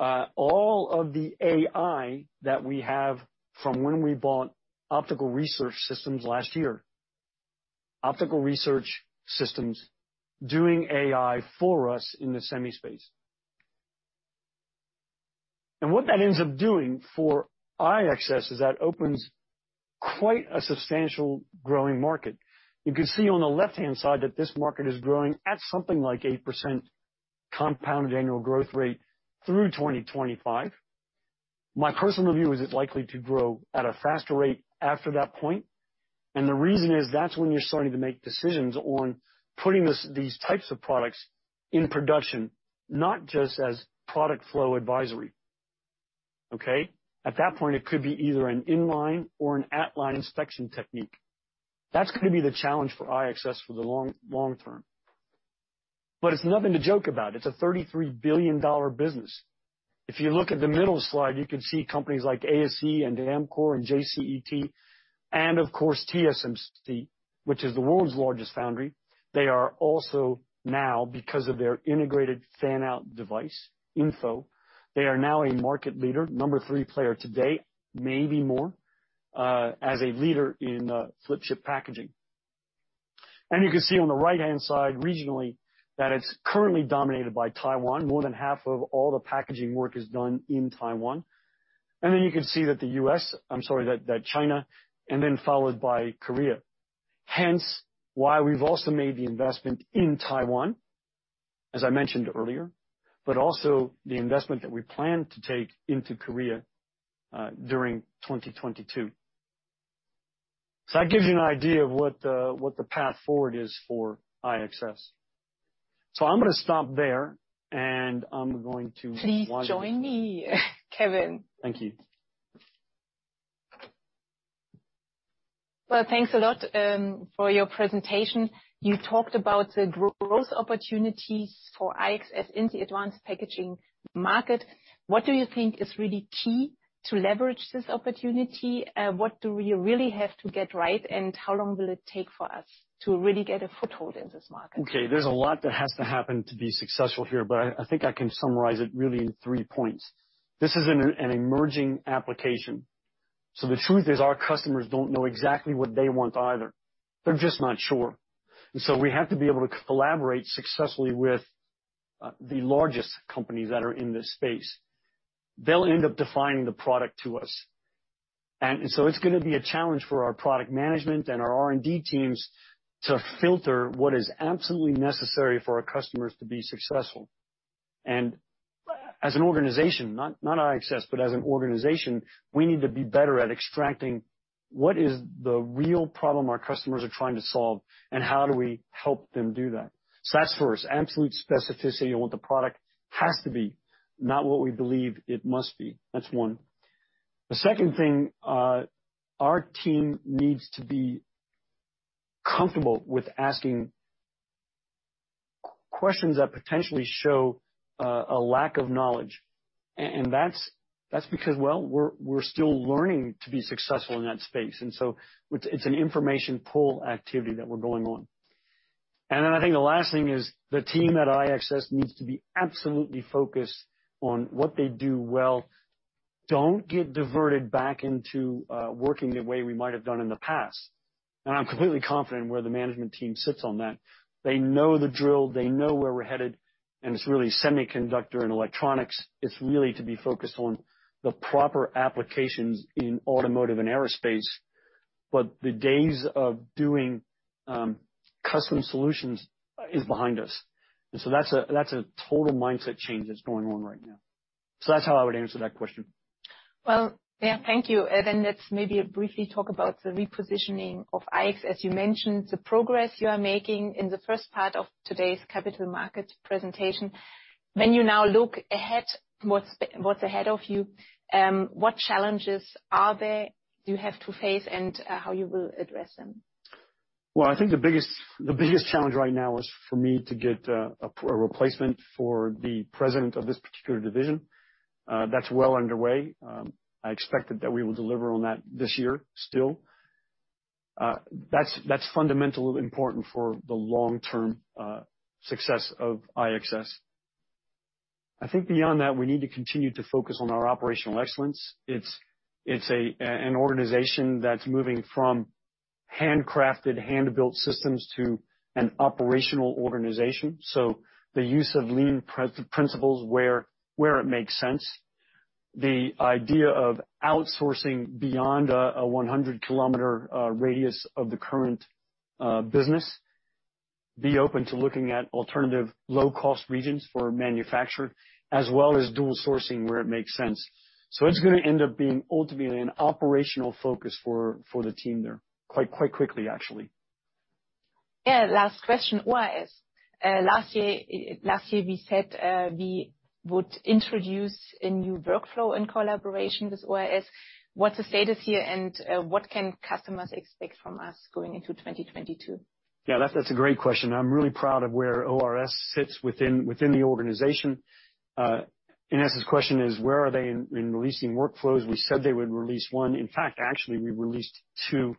S2: all of the AI that we have from when we bought Object Research Systems last year. Object Research Systems doing AI for us in the semi space. What that ends up doing for IXS is that opens quite a substantial growing market. You can see on the left-hand side that this market is growing at something like 8% compounded annual growth rate through 2025. My personal view is it's likely to grow at a faster rate after that point, and the reason is that's when you're starting to make decisions on putting these types of products in production, not just as product flow advisory, okay? At that point, it could be either an inline or an at-line inspection technique. That's gonna be the challenge for IXS for the long, long term. It's nothing to joke about. It's a $33 billion business. If you look at the middle slide, you can see companies like ASE and Amkor and JCET and of course TSMC, which is the world's largest foundry. They are also now, because of their integrated fan-out device, Info, they are now a market leader, number 3 player to date, maybe more, as a leader in flip chip packaging. You can see on the right-hand side regionally that it's currently dominated by Taiwan. More than half of all the packaging work is done in Taiwan. You can see that the US... I'm sorry, that China and then followed by Korea, hence why we've also made the investment in Taiwan, as I mentioned earlier, but also the investment that we plan to take into Korea during 2022. That gives you an idea of what the path forward is for IXS. I'm going to stop there, and I'm going to-
S3: Please join me, Kevin.
S2: Thank you.
S3: Well, thanks a lot for your presentation. You talked about the growth opportunities for IXS in the advanced packaging market. What do you think is really key to leverage this opportunity? What do we really have to get right, and how long will it take for us to really get a foothold in this market?
S2: Okay. There's a lot that has to happen to be successful here, but I think I can summarize it really in three points. This is an emerging application, so the truth is our customers don't know exactly what they want either. They're just not sure. We have to be able to collaborate successfully with the largest companies that are in this space. They'll end up defining the product to us. It's going to be a challenge for our product management and our R&D teams to filter what is absolutely necessary for our customers to be successful. As an organization, not IXS, but as an organization, we need to be better at extracting what is the real problem our customers are trying to solve, and how do we help them do that? That's first, absolute specificity on what the product has to be, not what we believe it must be. That's one. The second thing, our team needs to be comfortable with asking questions that potentially show a lack of knowledge. And that's because, well, we're still learning to be successful in that space. It's an information pull activity that we're going on. Then I think the last thing is the team at IXS needs to be absolutely focused on what they do well. Don't get diverted back into working the way we might have done in the past. I'm completely confident in where the management team sits on that. They know the drill. They know where we're headed, and it's really semiconductor and electronics. It's really to be focused on the proper applications in automotive and aerospace. The days of doing custom solutions is behind us. That's a total mindset change that's going on right now. That's how I would answer that question.
S3: Well, yeah, thank you. Let's maybe briefly talk about the repositioning of IXS. You mentioned the progress you are making in the first part of today's capital market presentation. When you now look ahead, what's ahead of you, what challenges are there you have to face and how you will address them?
S2: Well, I think the biggest challenge right now is for me to get a replacement for the president of this particular division. That's well underway. I expect that we will deliver on that this year still. That's fundamentally important for the long-term success of IXS. I think beyond that, we need to continue to focus on our operational excellence. It's an organization that's moving from handcrafted, hand-built systems to an operational organization, so the use of lean principles where it makes sense. The idea of outsourcing beyond a 100 km radius of the current business, be open to looking at alternative low-cost regions for manufacture, as well as dual sourcing where it makes sense. It's gonna end up being ultimately an operational focus for the team there, quite quickly, actually.
S3: Yeah. Last question. ORS. Last year we said we would introduce a new workflow in collaboration with ORS. What's the status here, and what can customers expect from us going into 2022?
S2: Yeah, that's a great question. I'm really proud of where ORS sits within the organization. Ines's question is, where are they in releasing workflows? We said they would release one. In fact, actually we released two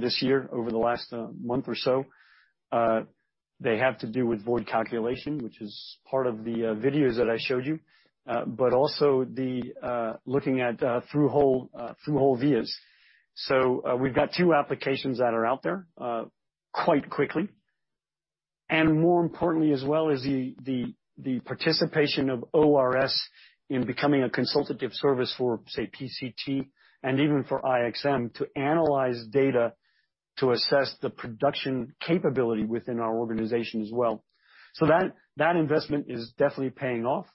S2: this year over the last month or so. They have to do with void calculation, which is part of the videos that I showed you. But also looking at through hole vias. We've got two applications that are out there quite quickly. More importantly as well is the participation of ORS in becoming a consultative service for, say, PCT and even for IXM to analyze data to assess the production capability within our organization as well. That investment is definitely paying off.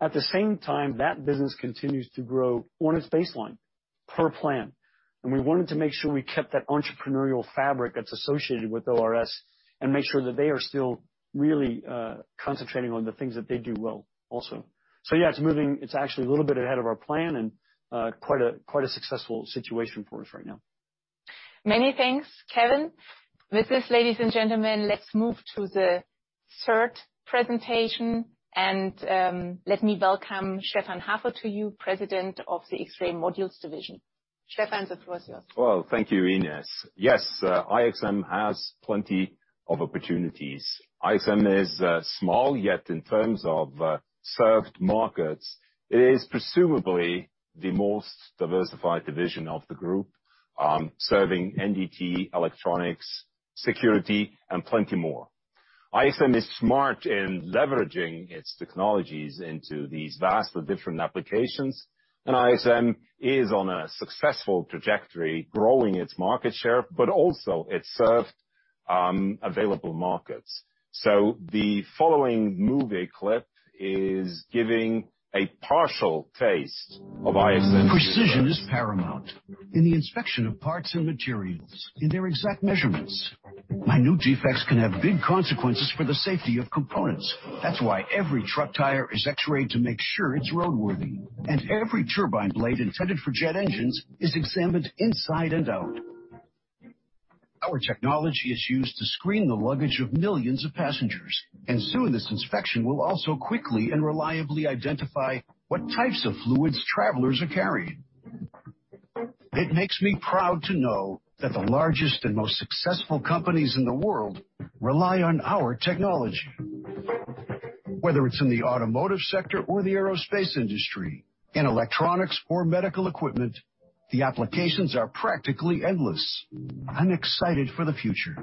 S2: At the same time, that business continues to grow on its baseline per plan, and we wanted to make sure we kept that entrepreneurial fabric that's associated with ORS and make sure that they are still really, concentrating on the things that they do well also. Yeah, it's moving. It's actually a little bit ahead of our plan and, quite a successful situation for us right now.
S3: Many thanks, Kevin. With this, ladies and gentlemen, let's move to the third presentation, and let me welcome Stephan Haferl, President of the X-Ray Modules Division. Stephan, the floor is yours.
S6: Well, thank you, Ines. Yes, IXM has plenty of opportunities. IXM is small, yet in terms of served markets, it is presumably the most diversified division of the group, serving NDT, electronics, security, and plenty more. IXM is smart in leveraging its technologies into these vastly different applications, and IXM is on a successful trajectory growing its market share, but also its served available markets. The following movie clip is giving a partial taste of IXM.
S5: Precision is paramount in the inspection of parts and materials in their exact measurements. Minute defects can have big consequences for the safety of components. That's why every truck tire is X-rayed to make sure it's roadworthy, and every turbine blade intended for jet engines is examined inside and out. Our technology is used to screen the luggage of millions of passengers, and soon this inspection will also quickly and reliably identify what types of fluids travelers are carrying. It makes me proud to know that the largest and most successful companies in the world rely on our technology. Whether it's in the automotive sector or the aerospace industry, in electronics or medical equipment, the applications are practically endless. I'm excited for the future.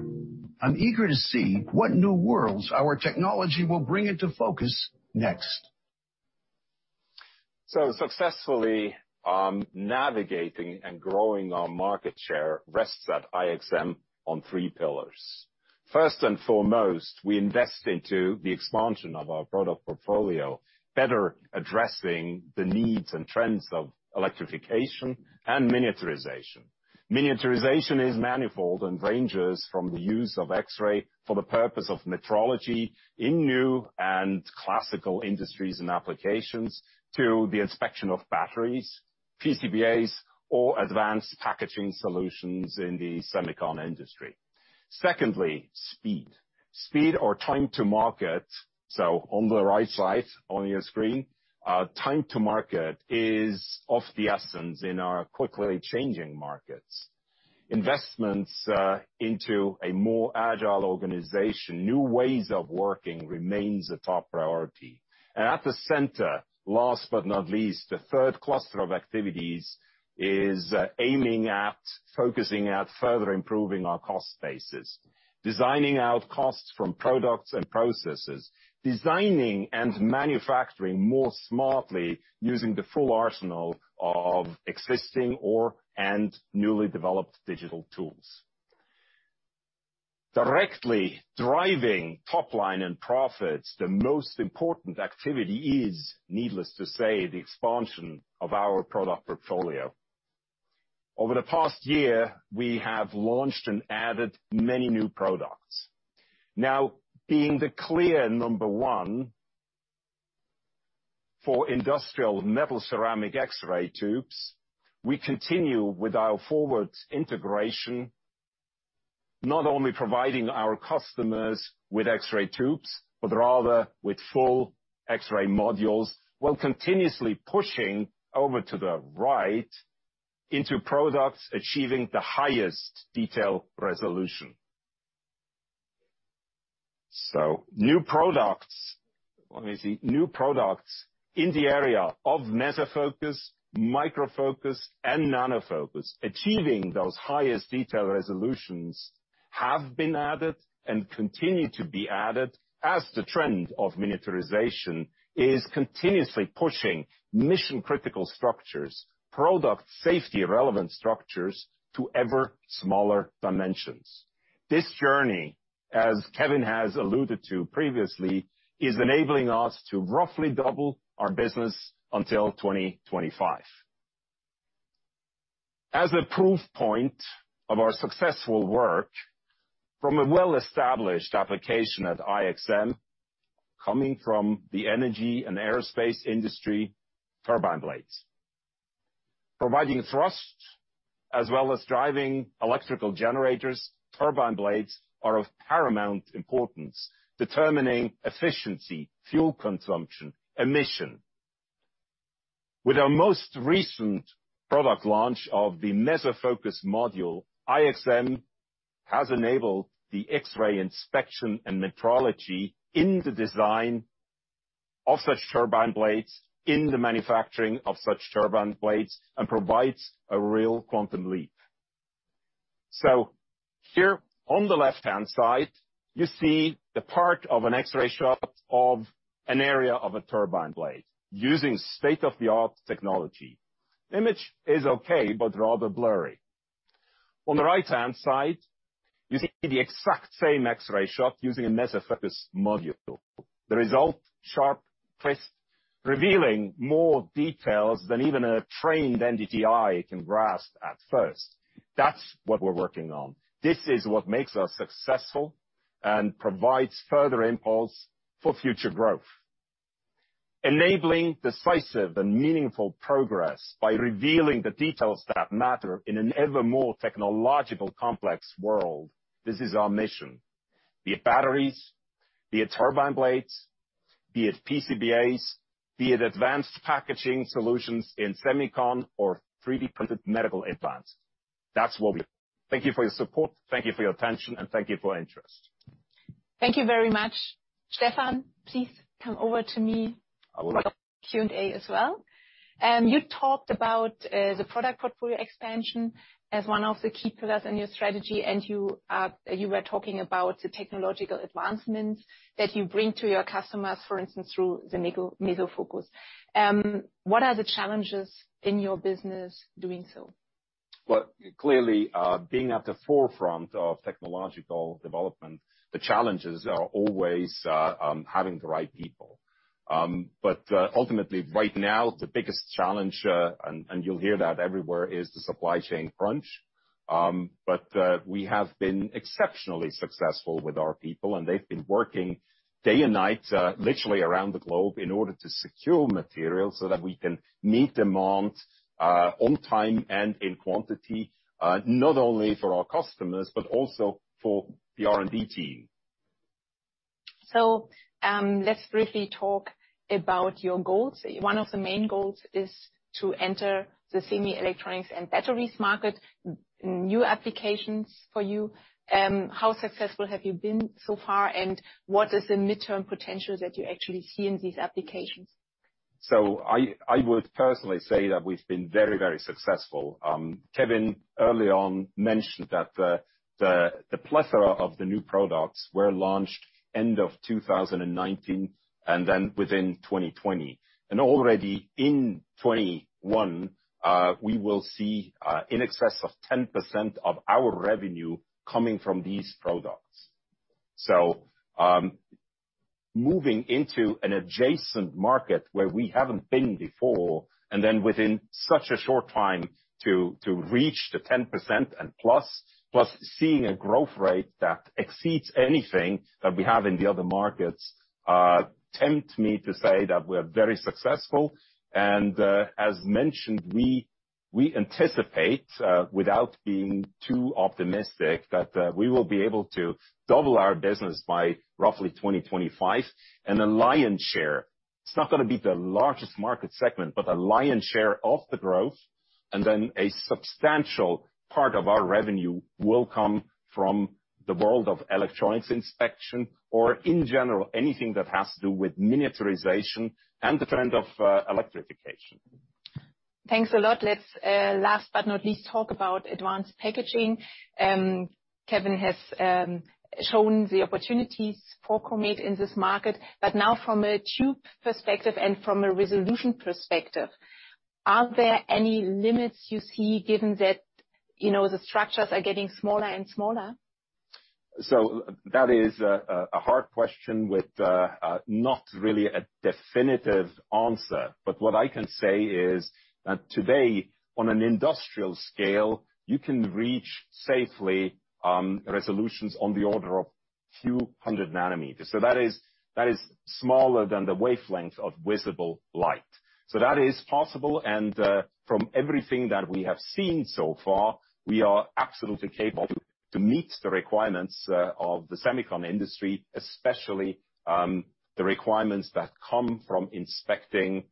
S5: I'm eager to see what new worlds our technology will bring into focus next.
S6: Successfully navigating and growing our market share rests at IXM on three pillars. First and foremost, we invest into the expansion of our product portfolio, better addressing the needs and trends of electrification and miniaturization. Miniaturization is manifold and ranges from the use of X-ray for the purpose of metrology in new and classical industries and applications to the inspection of batteries, PCBAs or advanced packaging solutions in the semicon industry. Secondly, speed. Speed or time to market, so on the right side on your screen, time to market is of the essence in our quickly changing markets. Investments into a more agile organization, new ways of working remains a top priority. At the center, last but not least, the third cluster of activities is aiming at focusing at further improving our cost bases. Designing out costs from products and processes. Designing and manufacturing more smartly using the full arsenal of existing or and newly developed digital tools. Directly driving top line and profits, the most important activity is, needless to say, the expansion of our product portfolio. Over the past year, we have launched and added many new products. Now, being the clear number one for industrial metal ceramic X-ray tubes, we continue with our forward integration, not only providing our customers with X-ray tubes, but rather with full X-ray modules, while continuously pushing over to the right into products achieving the highest detail resolution. New products in the area of MesoFocus, microfocus and nanofocus, achieving those highest detail resolutions, have been added and continue to be added as the trend of miniaturization is continuously pushing mission-critical structures, product safety relevant structures to ever smaller dimensions. This journey, as Kevin has alluded to previously, is enabling us to roughly double our business until 2025. As a proof point of our successful work from a well-established application at IXM, coming from the energy and aerospace industry, turbine blades provide thrust as well as driving electrical generators. Turbine blades are of paramount importance, determining efficiency, fuel consumption, emission. With our most recent product launch of the MesoFocus module, IXM has enabled the X-ray inspection and metrology in the design of such turbine blades, in the manufacturing of such turbine blades, and provides a real quantum leap. Here on the left-hand side, you see the part of an X-ray shot of an area of a turbine blade using state-of-the-art technology. Image is okay, but rather blurry. On the right-hand side, you see the exact same X-ray shot using a MesoFocus module. The result, sharp, crisp, revealing more details than even a trained NDT eye can grasp at first. That's what we're working on. This is what makes us successful and provides further impulse for future growth. Enabling decisive and meaningful progress by revealing the details that matter in an ever-more technologically complex world. This is our mission. Be it batteries, be it turbine blades, be it PCBAs, be it advanced packaging solutions in semiconductor or 3D-printed medical implants. That's what we do. Thank you for your support, thank you for your attention, and thank you for your interest.
S3: Thank you very much. Stephan Haferl, please come over to me.
S6: I would like to.
S3: Q&A as well. You talked about the product portfolio expansion as one of the key pillars in your strategy, and you were talking about the technological advancements that you bring to your customers, for instance, through the MesoFocus. What are the challenges in your business doing so?
S6: Well, clearly, being at the forefront of technological development, the challenges are always having the right people. Ultimately right now, the biggest challenge, and you'll hear that everywhere is the supply chain crunch. We have been exceptionally successful with our people, and they've been working day and night, literally around the globe in order to secure materials so that we can meet demand, on time and in quantity, not only for our customers, but also for the R&D team.
S3: Let's briefly talk about your goals. One of the main goals is to enter the semi electronics and batteries market, new applications for you. How successful have you been so far, and what is the midterm potential that you actually see in these applications?
S6: I would personally say that we've been very, very successful. Kevin early on mentioned that the plethora of the new products were launched end of 2019 and then within 2020. Already in 2021, we will see in excess of 10% of our revenue coming from these products. Moving into an adjacent market where we haven't been before and then within such a short time to reach the 10% and plus seeing a growth rate that exceeds anything that we have in the other markets tempts me to say that we're very successful. As mentioned, we anticipate without being too optimistic that we will be able to double our business by roughly 2025. The lion's share, it's not gonna be the largest market segment, but a lion's share of the growth and then a substantial part of our revenue will come from the world of electronics inspection or in general, anything that has to do with miniaturization and the trend of electrification.
S3: Thanks a lot. Let's last but not least talk about advanced packaging. Kevin has shown the opportunities for Comet in this market. Now from a tube perspective and from a resolution perspective, are there any limits you see given that, you know, the structures are getting smaller and smaller?
S6: That is a hard question with a not really definitive answer. What I can say is that today, on an industrial scale, you can reach safely resolutions on the order of 200 nanometers. That is smaller than the wavelength of visible light. That is possible and from everything that we have seen so far, we are absolutely capable to meet the requirements of the semicon industry, especially the requirements that come from inspecting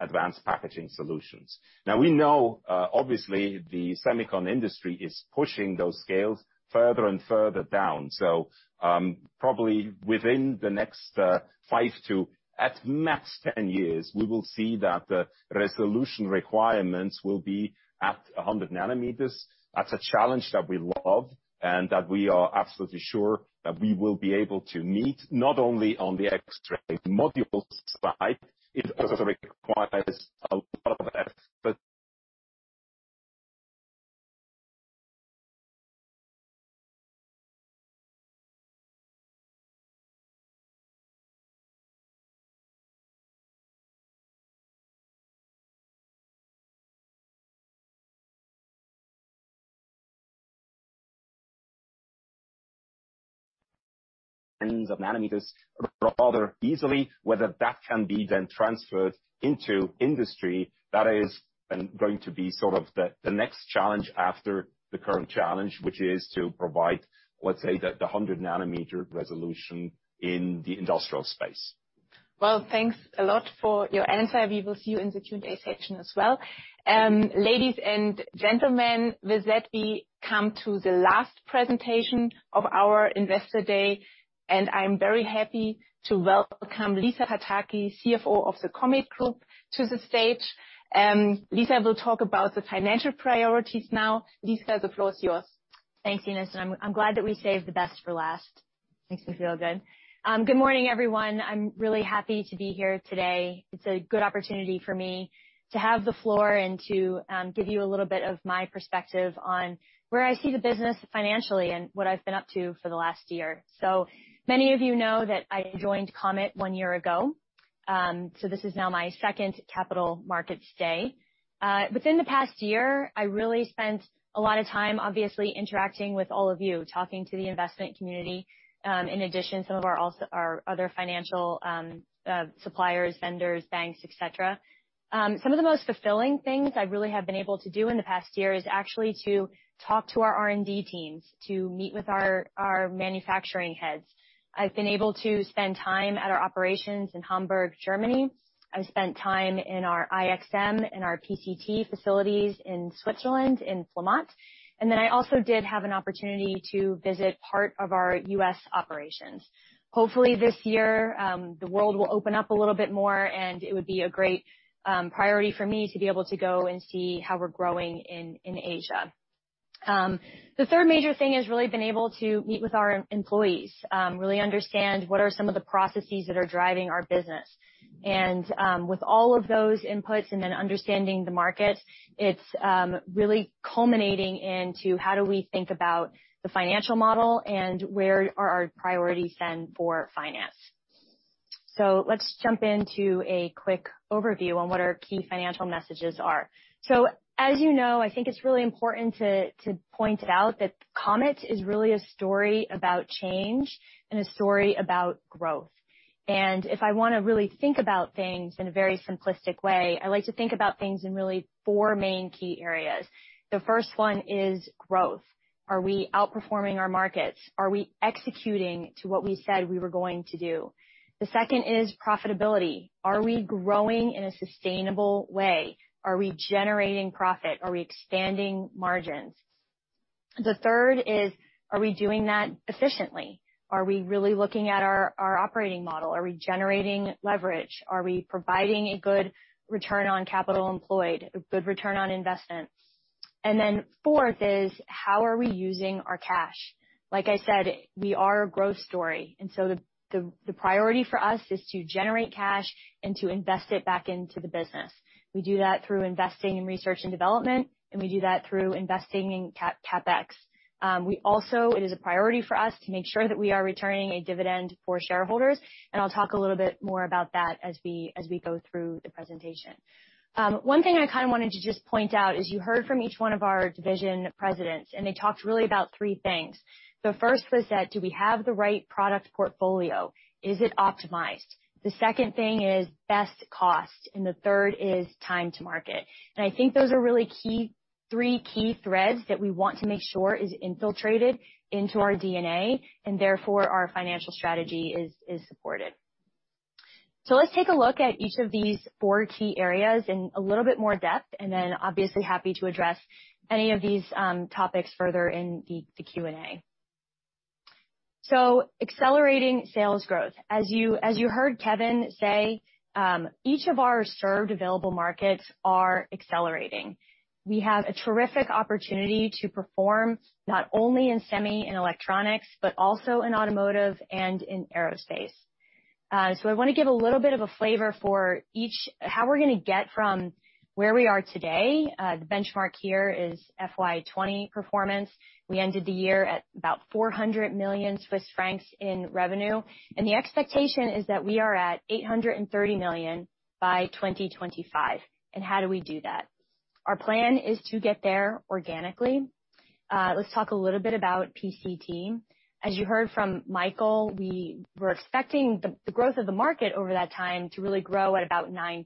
S6: advanced packaging solutions. Now, we know obviously the semicon industry is pushing those scales further and further down. Probably within the next 5 to at max 10 years, we will see that the resolution requirements will be at 100 nanometers. That's a challenge that we love and that we are absolutely sure that we will be able to meet, not only on the X-ray modules side. It also requires a lot of effort. Tens of nanometers rather easily. Whether that can be then transferred into industry, that is going to be sort of the next challenge after the current challenge, which is to provide, let's say, the 100 nanometer resolution in the industrial space.
S3: Well, thanks a lot for your answer. We will see you in the Q&A section as well. Ladies and gentlemen, with that we come to the last presentation of our investor day, and I'm very happy to welcome Elisabeth Pataki, CFO of the Comet Group, to the stage. Lisa will talk about the financial priorities now. Lisa, the floor is yours.
S7: Thanks, Ines, and I'm glad that we saved the best for last. Makes me feel good. Good morning, everyone. I'm really happy to be here today. It's a good opportunity for me to have the floor and to give you a little bit of my perspective on where I see the business financially and what I've been up to for the last year. Many of you know that I joined Comet one year ago, so this is now my second Capital Markets Day. Within the past year, I really spent a lot of time, obviously, interacting with all of you, talking to the investment community, in addition, some of our other financial suppliers, vendors, banks, et cetera. Some of the most fulfilling things I really have been able to do in the past year is actually to talk to our R&D teams, to meet with our manufacturing heads. I've been able to spend time at our operations in Hamburg, Germany. I've spent time in our IXM and our PCT facilities in Switzerland, in Flamatt. I also did have an opportunity to visit part of our US operations. Hopefully this year, the world will open up a little bit more, and it would be a great priority for me to be able to go and see how we're growing in Asia. The third major thing has really been able to meet with our employees, really understand what are some of the processes that are driving our business. With all of those inputs and then understanding the market, it's really culminating into how do we think about the financial model and where are our priorities then for finance. Let's jump into a quick overview on what our key financial messages are. As you know, I think it's really important to point out that Comet is really a story about change and a story about growth. If I wanna really think about things in a very simplistic way, I like to think about things in really four main key areas. The first one is growth. Are we outperforming our markets? Are we executing to what we said we were going to do? The second is profitability. Are we growing in a sustainable way? Are we generating profit? Are we expanding margins? The third is, are we doing that efficiently? Are we really looking at our operating model? Are we generating leverage? Are we providing a good return on capital employed, a good return on investment? Then fourth is, how are we using our cash? Like I said, we are a growth story, and so the priority for us is to generate cash and to invest it back into the business. We do that through investing in research and development, and we do that through investing in CapEx. It is a priority for us to make sure that we are returning a dividend for shareholders, and I'll talk a little bit more about that as we go through the presentation. One thing I kinda wanted to just point out is you heard from each one of our division presidents, and they talked really about three things. The first was that, do we have the right product portfolio? Is it optimized? The second thing is best cost, and the third is time to market. I think those are really key, three key threads that we want to make sure is infiltrated into our DNA, and therefore our financial strategy is supported. Let's take a look at each of these four key areas in a little bit more depth, and then obviously happy to address any of these topics further in the Q&A. Accelerating sales growth. As you heard Kevin say, each of our served available markets are accelerating. We have a terrific opportunity to perform not only in semi and electronics, but also in automotive and in aerospace. I want to give a little bit of a flavor for each... How we're going to get from where we are today. The benchmark here is FY 2020 performance. We ended the year at about 400 million Swiss francs in revenue, and the expectation is that we are at 830 million by 2025. How do we do that? Our plan is to get there organically. Let's talk a little bit about PCT. As you heard from Michael, we were expecting the growth of the market over that time to really grow at about 9%.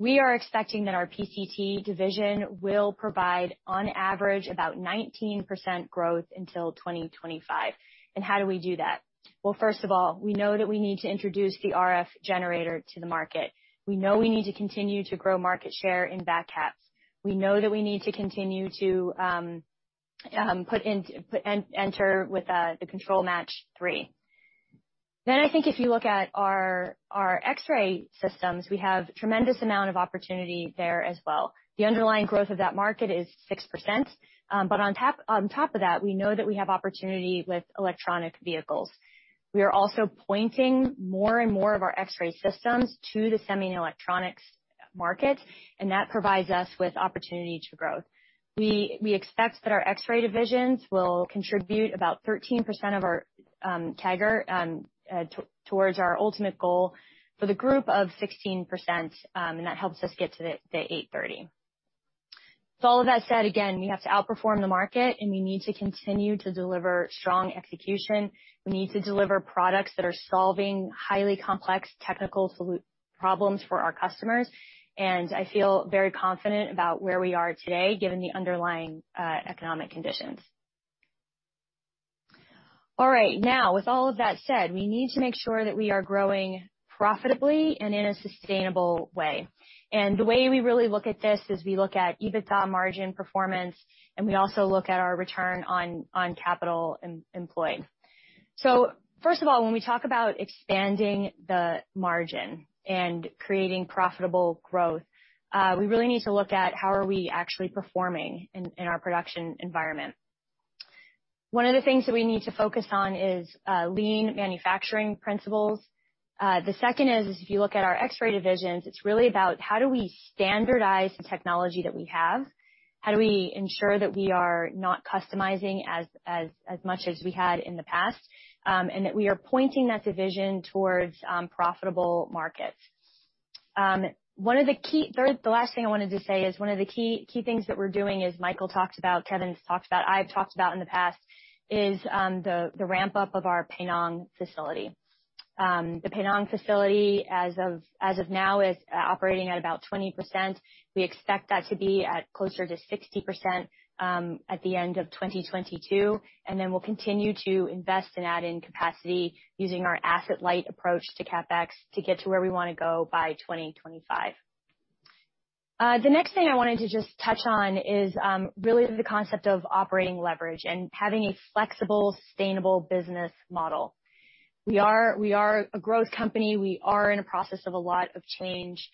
S7: We are expecting that our PCT division will provide on average about 19% growth until 2025. How do we do that? Well, first of all, we know that we need to introduce the RF generator to the market. We know we need to continue to grow market share in VacCaps. We know that we need to continue to enter with the 3rd-generation technology platform. I think if you look at our X-ray systems, we have tremendous amount of opportunity there as well. The underlying growth of that market is 6%, but on top of that, we know that we have opportunity with electric vehicles. We are also pointing more and more of our X-ray systems to the semi and electronics market, and that provides us with opportunity for growth. We expect that our X-ray divisions will contribute about 13% of our CAGR towards our ultimate goal for the group of 16%, and that helps us get to the 830. All of that said, again, we have to outperform the market, and we need to continue to deliver strong execution. We need to deliver products that are solving highly complex technical problems for our customers. I feel very confident about where we are today, given the underlying economic conditions. All right. Now, with all of that said, we need to make sure that we are growing profitably and in a sustainable way. The way we really look at this is we look at EBITDA margin performance, and we also look at our return on capital employed. First of all, when we talk about expanding the margin and creating profitable growth, we really need to look at how are we actually performing in our production environment. One of the things that we need to focus on is lean manufacturing principles. The second is, if you look at our X-ray divisions, it's really about how do we standardize the technology that we have? How do we ensure that we are not customizing as much as we had in the past, and that we are pointing that division towards profitable markets. Third, the last thing I wanted to say is one of the key things that we're doing, as Michael talked about, Kevin's talked about, I've talked about in the past, is the ramp-up of our Penang facility. The Penang facility, as of now, is operating at about 20%. We expect that to be at closer to 60% at the end of 2022, and then we'll continue to invest and add in capacity using our asset-light approach to CapEx to get to where we want to go by 2025. The next thing I wanted to just touch on is really the concept of operating leverage and having a flexible, sustainable business model. We are a growth company. We are in a process of a lot of change.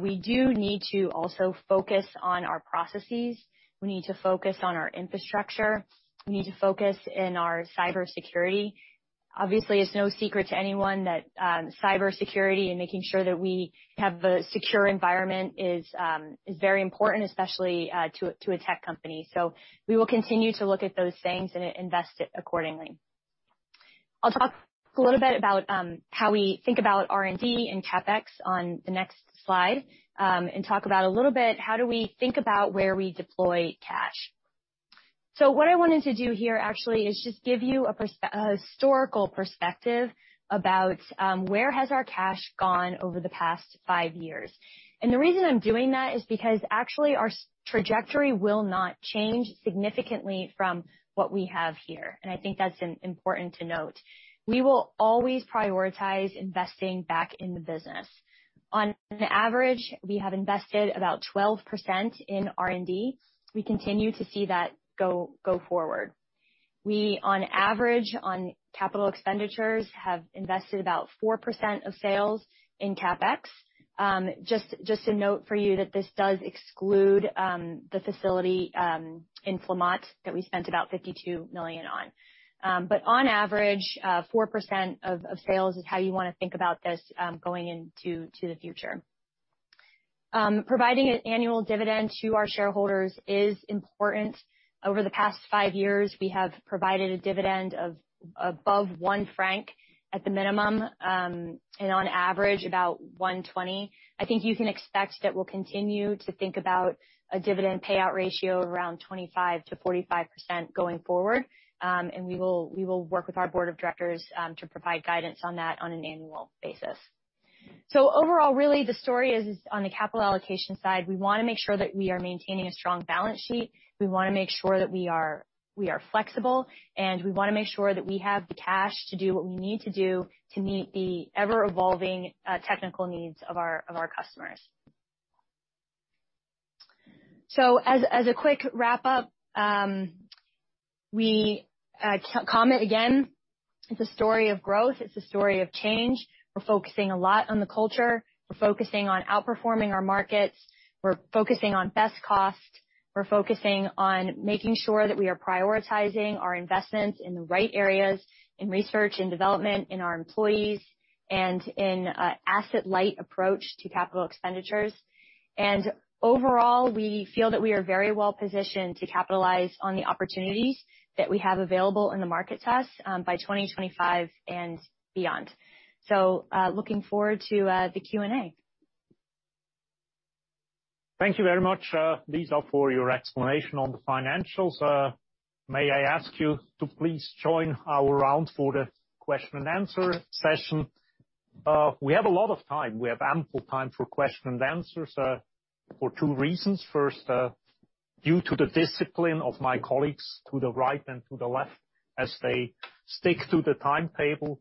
S7: We do need to also focus on our processes. We need to focus on our infrastructure. We need to focus in our cybersecurity. Obviously, it's no secret to anyone that cybersecurity and making sure that we have a secure environment is very important, especially to a tech company. We will continue to look at those things and invest it accordingly. I'll talk a little bit about how we think about R&D and CapEx on the next slide, and talk about a little bit how do we think about where we deploy cash. What I wanted to do here actually is just give you a historical perspective about where has our cash gone over the past five years. The reason I'm doing that is because actually our trajectory will not change significantly from what we have here, and I think that's important to note. We will always prioritize investing back in the business. On average, we have invested about 12% in R&D. We continue to see that go forward. On average, on capital expenditures, we have invested about 4% of sales in CapEx. Just a note for you that this does exclude the facility in Clamart that we spent about 52 million on. On average, 4% of sales is how you want to think about this going into the future. Providing an annual dividend to our shareholders is important. Over the past 5 years, we have provided a dividend of above 1 franc at the minimum, and on average, about 1.20. I think you can expect that we'll continue to think about a dividend payout ratio around 25%-45% going forward, and we will work with our board of directors to provide guidance on that on an annual basis. Overall, really the story is on the capital allocation side. We want to make sure that we are maintaining a strong balance sheet. We want to make sure that we are flexible, and we want to make sure that we have the cash to do what we need to do to meet the ever-evolving technical needs of our customers. As a quick wrap-up, we Comet again, it's a story of growth. It's a story of change. We're focusing a lot on the culture. We're focusing on outperforming our markets. We're focusing on best cost. We're focusing on making sure that we are prioritizing our investments in the right areas, in research, in development, in our employees, and in an asset-light approach to capital expenditures. Overall, we feel that we are very well positioned to capitalize on the opportunities that we have available in the market to us by 2025 and beyond. Looking forward to the Q&A.
S1: Thank you very much, Lisa, for your explanation on the financials. May I ask you to please join our round for the question and answer session? We have a lot of time. We have ample time for question and answers, for two reasons. First, due to the discipline of my colleagues to the right and to the left as they stick to the timetable.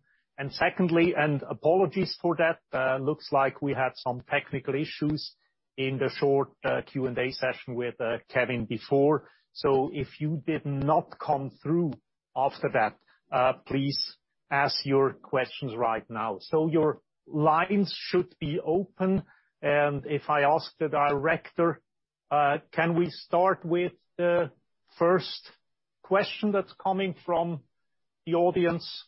S1: Secondly, and apologies for that, looks like we had some technical issues in the short Q&A session with Kevin before. If you did not come through after that, please ask your questions right now. Your lines should be open. If I ask the operator, can we start with the first question that's coming from the audience?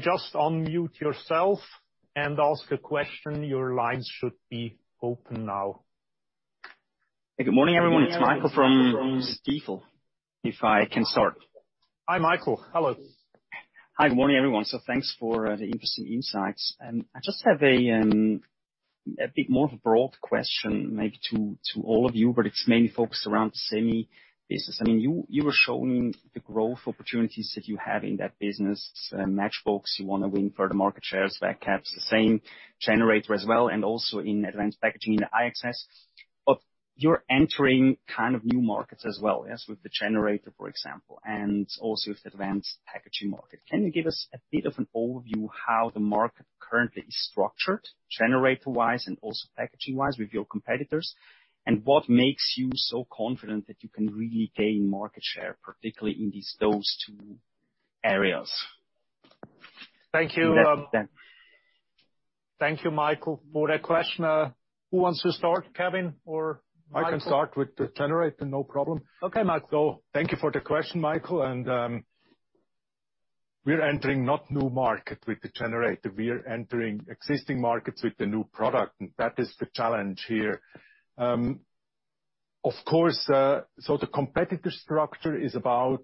S1: Just unmute yourself and ask a question. Your lines should be open now.
S8: Good morning, everyone. It's Michael from Stifel, if I can start.
S1: Hi, Michael. Hello.
S8: Hi. Good morning, everyone. Thanks for the interesting insights. I just have a bit more of a broad question maybe to all of you, but it's mainly focused around semi business. I mean, you were showing the growth opportunities that you have in that business. Matchbox, you want to win further market shares, VacCaps the same. Generator as well, and also in advanced packaging, the IXS. You're entering kind of new markets as well as with the generator, for example, and also with advanced packaging market. Can you give us a bit of an overview how the market currently is structured generator-wise and also packaging-wise with your competitors? What makes you so confident that you can really gain market share, particularly in these, those two areas?
S1: Thank you.
S8: Less than.
S1: Thank you, Michael, for that question. Who wants to start, Kevin or Michael?
S4: I can start with the generator, no problem.
S1: Okay, Michael.
S4: Thank you for the question, Michael. We're entering, not new market with the generator. We are entering existing markets with the new product, and that is the challenge here. Of course, the competitor structure is about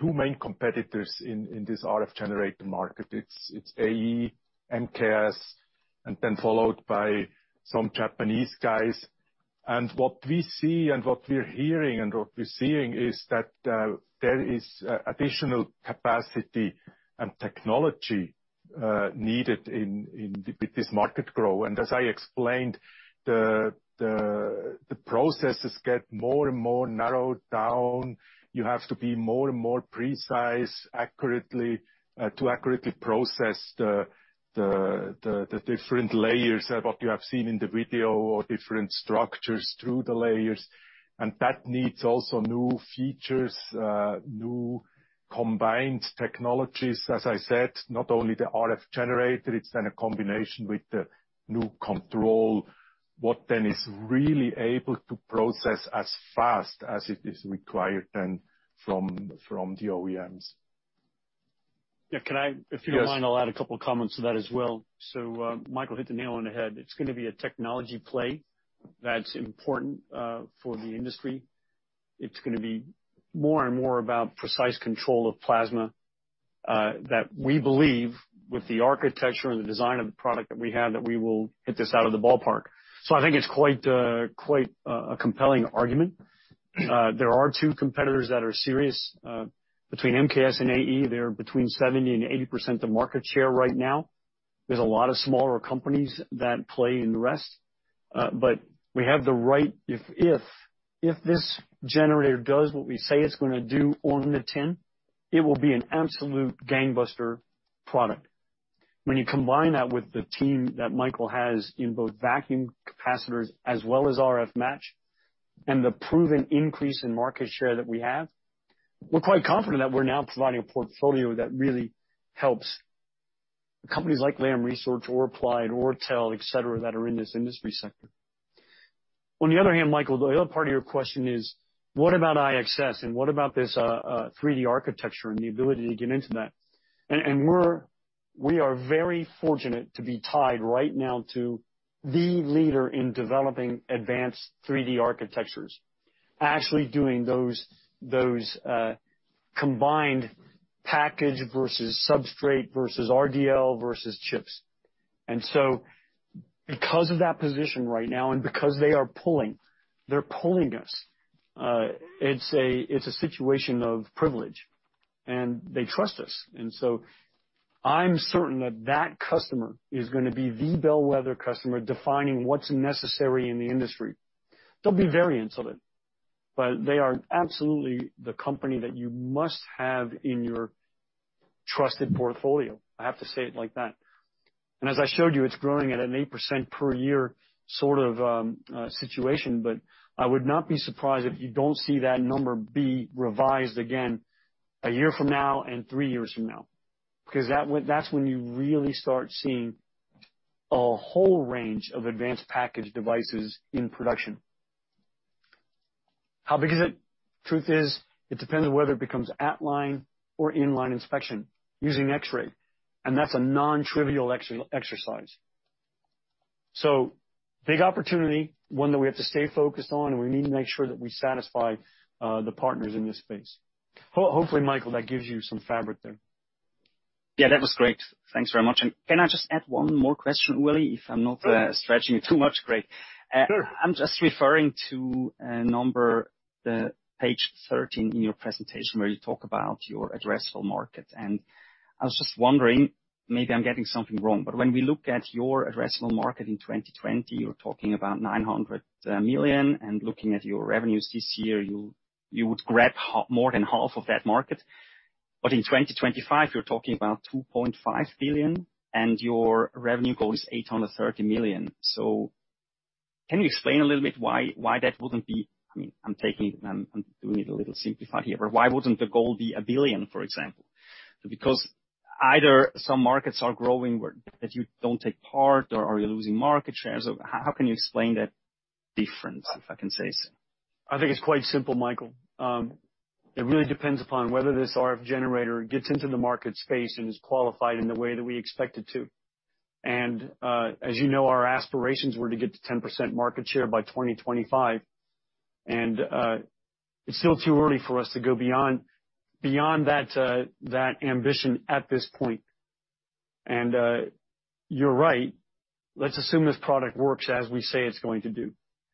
S4: two main competitors in this RF generator market. It's AE, MKS, and then followed by some Japanese guys. What we see and what we're hearing and what we're seeing is that there is additional capacity and technology needed with this market growth. As I explained, the processes get more and more narrowed down. You have to be more and more precise accurately to accurately process the different layers of what you have seen in the video or different structures through the layers. That needs also new features, new combined technologies. As I said, not only the RF generator, it's then a combination with the new control, what then is really able to process as fast as it is required then from the OEMs.
S2: Yeah.
S4: Yes.
S2: If you don't mind, I'll add a couple of comments to that as well. Michael hit the nail on the head. It's going to be a technology play that's important for the industry. It's going to be more and more about precise control of plasma that we believe with the architecture and the design of the product that we have, that we will hit this out of the ballpark. I think it's quite a compelling argument. There are two competitors that are serious between MKS and AE. They're 70%-80% of market share right now. There's a lot of smaller companies that play in the rest. But we have the right. If this generator does what we say it's going to do on the tin, it will be an absolute gangbuster product. When you combine that with the team that Michael has in both vacuum capacitors as well as RF match and the proven increase in market share that we have, we're quite confident that we're now providing a portfolio that really helps companies like Lam Research or Applied Materials or TEL, et cetera, that are in this industry sector. On the other hand, Michael, the other part of your question is: What about IXS and what about this 3D architecture and the ability to get into that? We are very fortunate to be tied right now to the leader in developing advanced 3D architectures, actually doing those combined package versus substrate versus RDL versus chips. Because of that position right now and because they are pulling us, it's a situation of privilege, and they trust us. I'm certain that that customer is going to be the bellwether customer defining what's necessary in the industry. There'll be variants of it, but they are absolutely the company that you must have in your trusted portfolio. I have to say it like that. As I showed you, it's growing at an 8% per year sort of situation, but I would not be surprised if you don't see that number be revised again a year from now and three years from now. Cause that's when you really start seeing a whole range of advanced package devices in production. How big is it? Truth is, it depends on whether it becomes at line or in-line inspection using X-ray, and that's a non-trivial exercise. Big opportunity, one that we have to stay focused on, and we need to make sure that we satisfy the partners in this space. Hopefully, Michael, that gives you some context there.
S8: Yeah, that was great. Thanks very much. Can I just add one more question, Willie, if I'm not stretching it too much? Great.
S1: Sure.
S8: I'm just referring to page 13 in your presentation where you talk about your addressable market. I was just wondering, maybe I'm getting something wrong, but when we look at your addressable market in 2020, you're talking about 900 million, and looking at your revenues this year, you would grab more than half of that market. In 2025, you're talking about 2.5 billion, and your revenue goal is 830 million. Can you explain a little bit why that wouldn't be? I mean, I'm taking it and I'm doing it a little simplified here, but why wouldn't the goal be 1 billion, for example? Because either some markets are growing where that you don't take part or you're losing market shares. How can you explain that difference, if I can say so?
S2: I think it's quite simple, Michael. It really depends upon whether this RF generator gets into the market space and is qualified in the way that we expect it to. As you know, our aspirations were to get to 10% market share by 2025, and it's still too early for us to go beyond that ambition at this point. You're right. Let's assume this product works as we say it's going to do,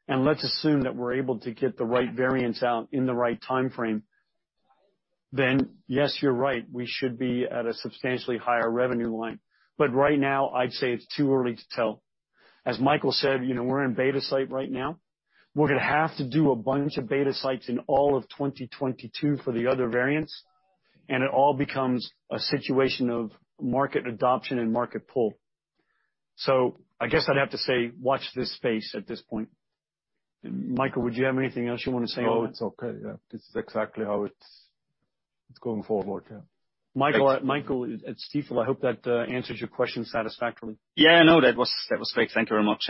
S2: and let's assume that we're able to get the right variants out in the right timeframe. Yes, you're right. We should be at a substantially higher revenue line. Right now, I'd say it's too early to tell. As Michael said, you know, we're in beta site right now. We're gonna have to do a bunch of beta sites in all of 2022 for the other variants, and it all becomes a situation of market adoption and market pull. So I guess I'd have to say, watch this space at this point. Michael, would you have anything else you want to say on that?
S4: No, it's okay. Yeah. This is exactly how it's going forward. Yeah.
S2: Michael at Stifel, I hope that answers your question satisfactorily.
S8: Yeah. No. That was great. Thank you very much.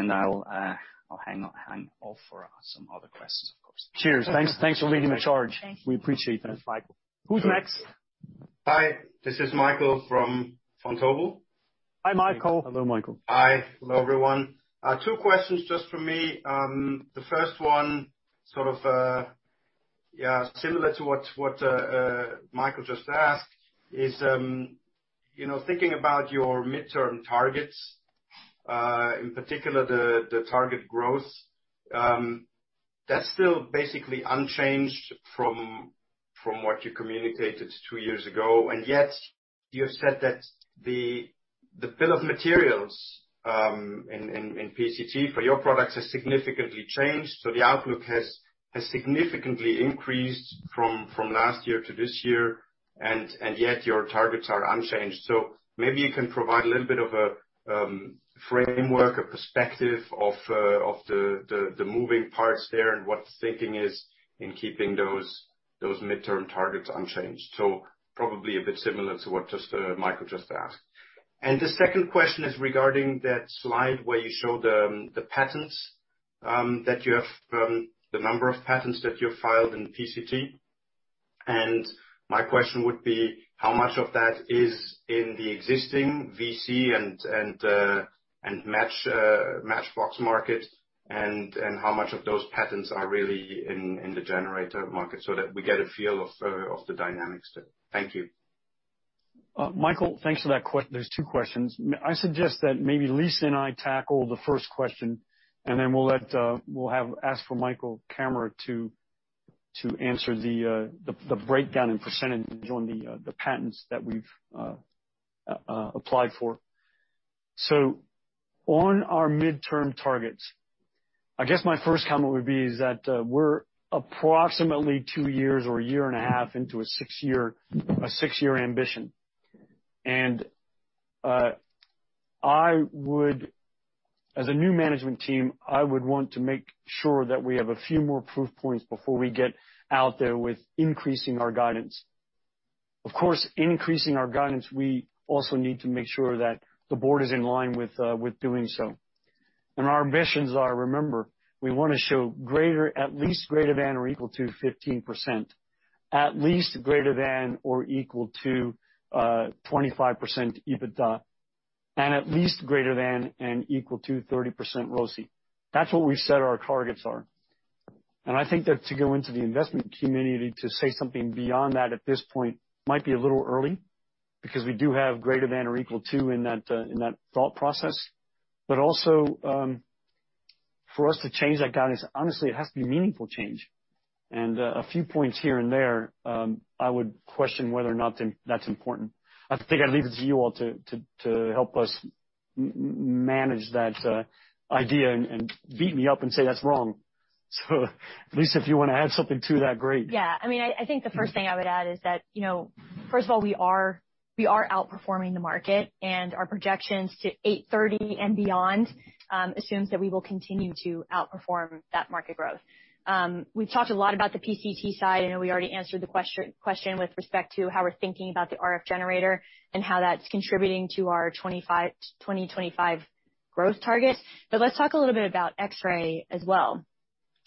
S8: I'll hang on for some other questions, of course.
S2: Cheers. Thanks for leading the charge.
S7: Thank you.
S2: We appreciate that, Michael. Who's next?
S9: Hi. This is Michael from Tobu.
S2: Hi, Michael.
S4: Hello, Michael.
S9: Hi. Hello, everyone. Two questions just from me. The first one, sort of, yeah, similar to what Michael just asked is, you know, thinking about your midterm targets, in particular the target growth. That's still basically unchanged from what you communicated two years ago, and yet you have said that the bill of materials in PCT for your products has significantly changed. The outlook has significantly increased from last year to this year, and yet your targets are unchanged. Maybe you can provide a little bit of a framework or perspective of the moving parts there and what the thinking is in keeping those midterm targets unchanged. Probably a bit similar to what Michael just asked. The second question is regarding that slide where you show the patents that you have from the number of patents that you've filed in PCT. My question would be, how much of that is in the existing VC and matchbox market, and how much of those patents are really in the generator market so that we get a feel of the dynamics there. Thank you.
S2: Michael, thanks for those two questions. I suggest that maybe Lisa and I tackle the first question, and then we'll have to ask Michael kammerer to answer the breakdown in percentages on the patents that we've applied for. On our midterm targets, I guess my first comment would be that we're approximately 2 years or a year and a half into a 6-year ambition. As a new management team, I would want to make sure that we have a few more proof points before we get out there with increasing our guidance. Of course, increasing our guidance, we also need to make sure that the board is in line with doing so. Our ambitions are, remember, we want to show greater, at least greater than or equal to 15%, at least greater than or equal to 25% EBITDA, and at least greater than and equal to 30% ROCE. That's what we said our targets are. I think that to go into the investment community to say something beyond that at this point might be a little early because we do have greater than or equal to in that thought process. For us to change that guidance, honestly, it has to be meaningful change. A few points here and there, I would question whether or not that's important. I think I'd leave it to you all to help us manage that idea and beat me up and say that's wrong. Lisa, if you want to add something to that, great.
S7: Yeah. I mean, I think the first thing I would add is that, you know, first of all, we are outperforming the market, and our projections to 830 and beyond assumes that we will continue to outperform that market growth. We've talked a lot about the PCT side. I know we already answered the question with respect to how we're thinking about the RF generator and how that's contributing to our 2025 growth target, but let's talk a little bit about X-ray as well.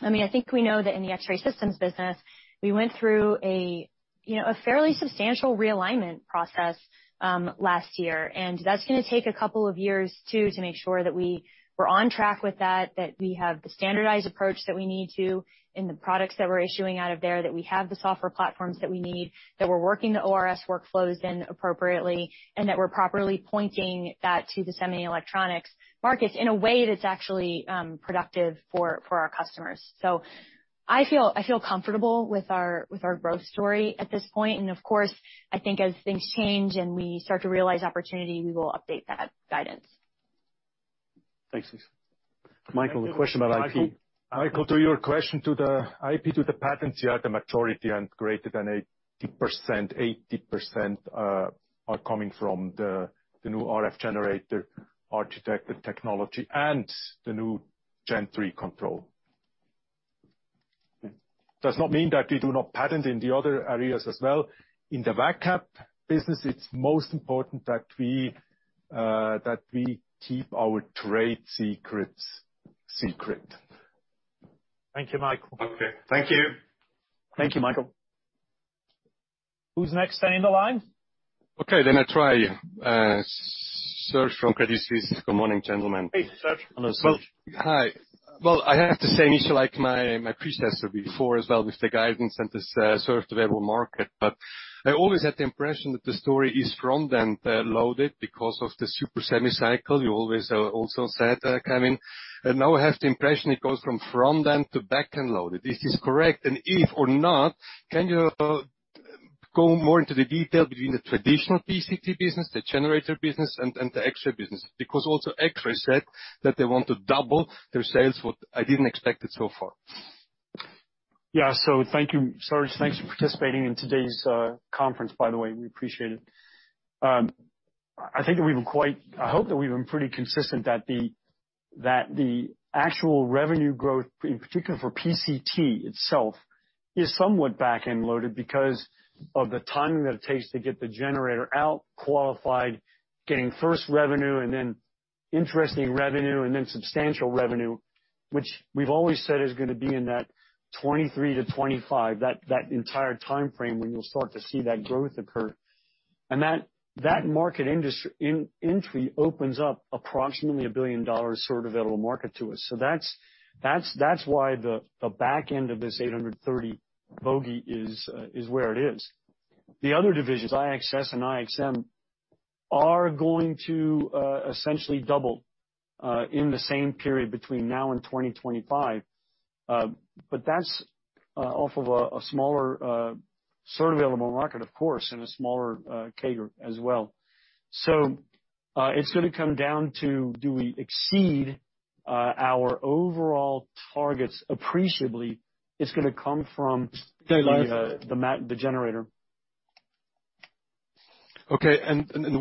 S7: I mean, I think we know that in the X-ray systems business, we went through a you know a fairly substantial realignment process last year, and that's going to take a couple of years too to make sure that we're on track with that we have the standardized approach that we need to in the products that we're issuing out of there, that we have the software platforms that we need, that we're working the ORS workflows in appropriately, and that we're properly pointing that to the semi-electronics markets in a way that's actually productive for our customers. So, I feel comfortable with our growth story at this point. Of course, I think as things change and we start to realize opportunity, we will update that guidance.
S9: Thanks, Lisa.
S2: Michael, a question about IP.
S4: Michael, to your question to the IP, to the patents, yeah, the majority and greater than 80%. 80% are coming from the new RF generator architected technology and the new gen three control. Does not mean that we do not patent in the other areas as well. In the Vac Cap business, it's most important that we
S7: That we keep our trade secrets secret.
S1: Thank you, Michael.
S7: Okay. Thank you.
S1: Thank you, Michael. Who's next on the line?
S10: Okay. I'll try. Serge from Credit Suisse. Good morning, gentlemen.
S1: Hey, Serge.
S2: Hello, Serge.
S10: Well, hi. I have the same issue like my predecessor before as well with the guidance and the serviceable addressable market. I always had the impression that the story is front-end loaded because of the super semi cycle. You always also said, Kevin. Now I have the impression it goes from front-end to back-end loaded. Is this correct? If so or not, can you go more into the detail between the traditional PCT business, the generator business, and the X-ray business? Because also X-ray said that they want to double their sales, what I didn't expect it so far.
S2: Yeah. Thank you, Serge. Thanks for participating in today's conference, by the way. We appreciate it. I think that we've been quite. I hope that we've been pretty consistent that the actual revenue growth, in particular for PCT itself, is somewhat back-end loaded because of the time that it takes to get the generator out qualified, getting first revenue and then interesting revenue and then substantial revenue, which we've always said is going to be in that 2023-2025. That entire timeframe when you'll start to see that growth occur. That market entry opens up approximately $1 billion served available market to us. That's why the back end of this 830 bogey is where it is. The other divisions, IXS and IXM, are going to essentially double in the same period between now and 2025. But that's off of a smaller served available market, of course, and a smaller base as well. It's going to come down to do we exceed our overall targets appreciably? It's going to come from the generator.
S10: Okay.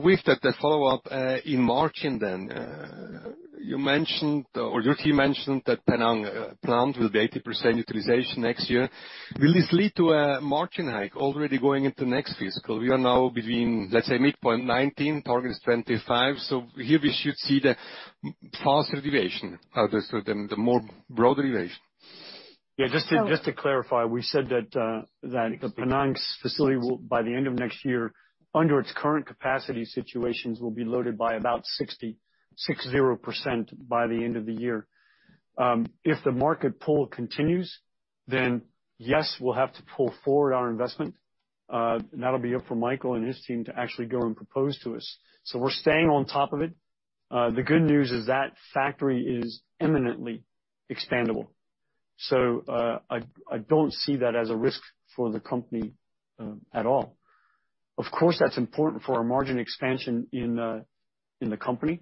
S10: With that, the follow-up in margin then, you mentioned or your team mentioned that Penang plant will be 80% utilization next year. Will this lead to a margin hike already going into next fiscal? We are now between, let's say, midpoint 19%, target is 25%. Here we should see the faster deviation out of sort of the more broad deviation.
S2: Just to clarify, we said that the Penang's facility will, by the end of next year, under its current capacity situations, will be loaded by about 60% by the end of the year. If the market pull continues, then yes, we'll have to pull forward our investment. That'll be up for Michael and his team to actually go and propose to us. We're staying on top of it. The good news is that factory is imminently expandable. I don't see that as a risk for the company at all. Of course, that's important for our margin expansion in the company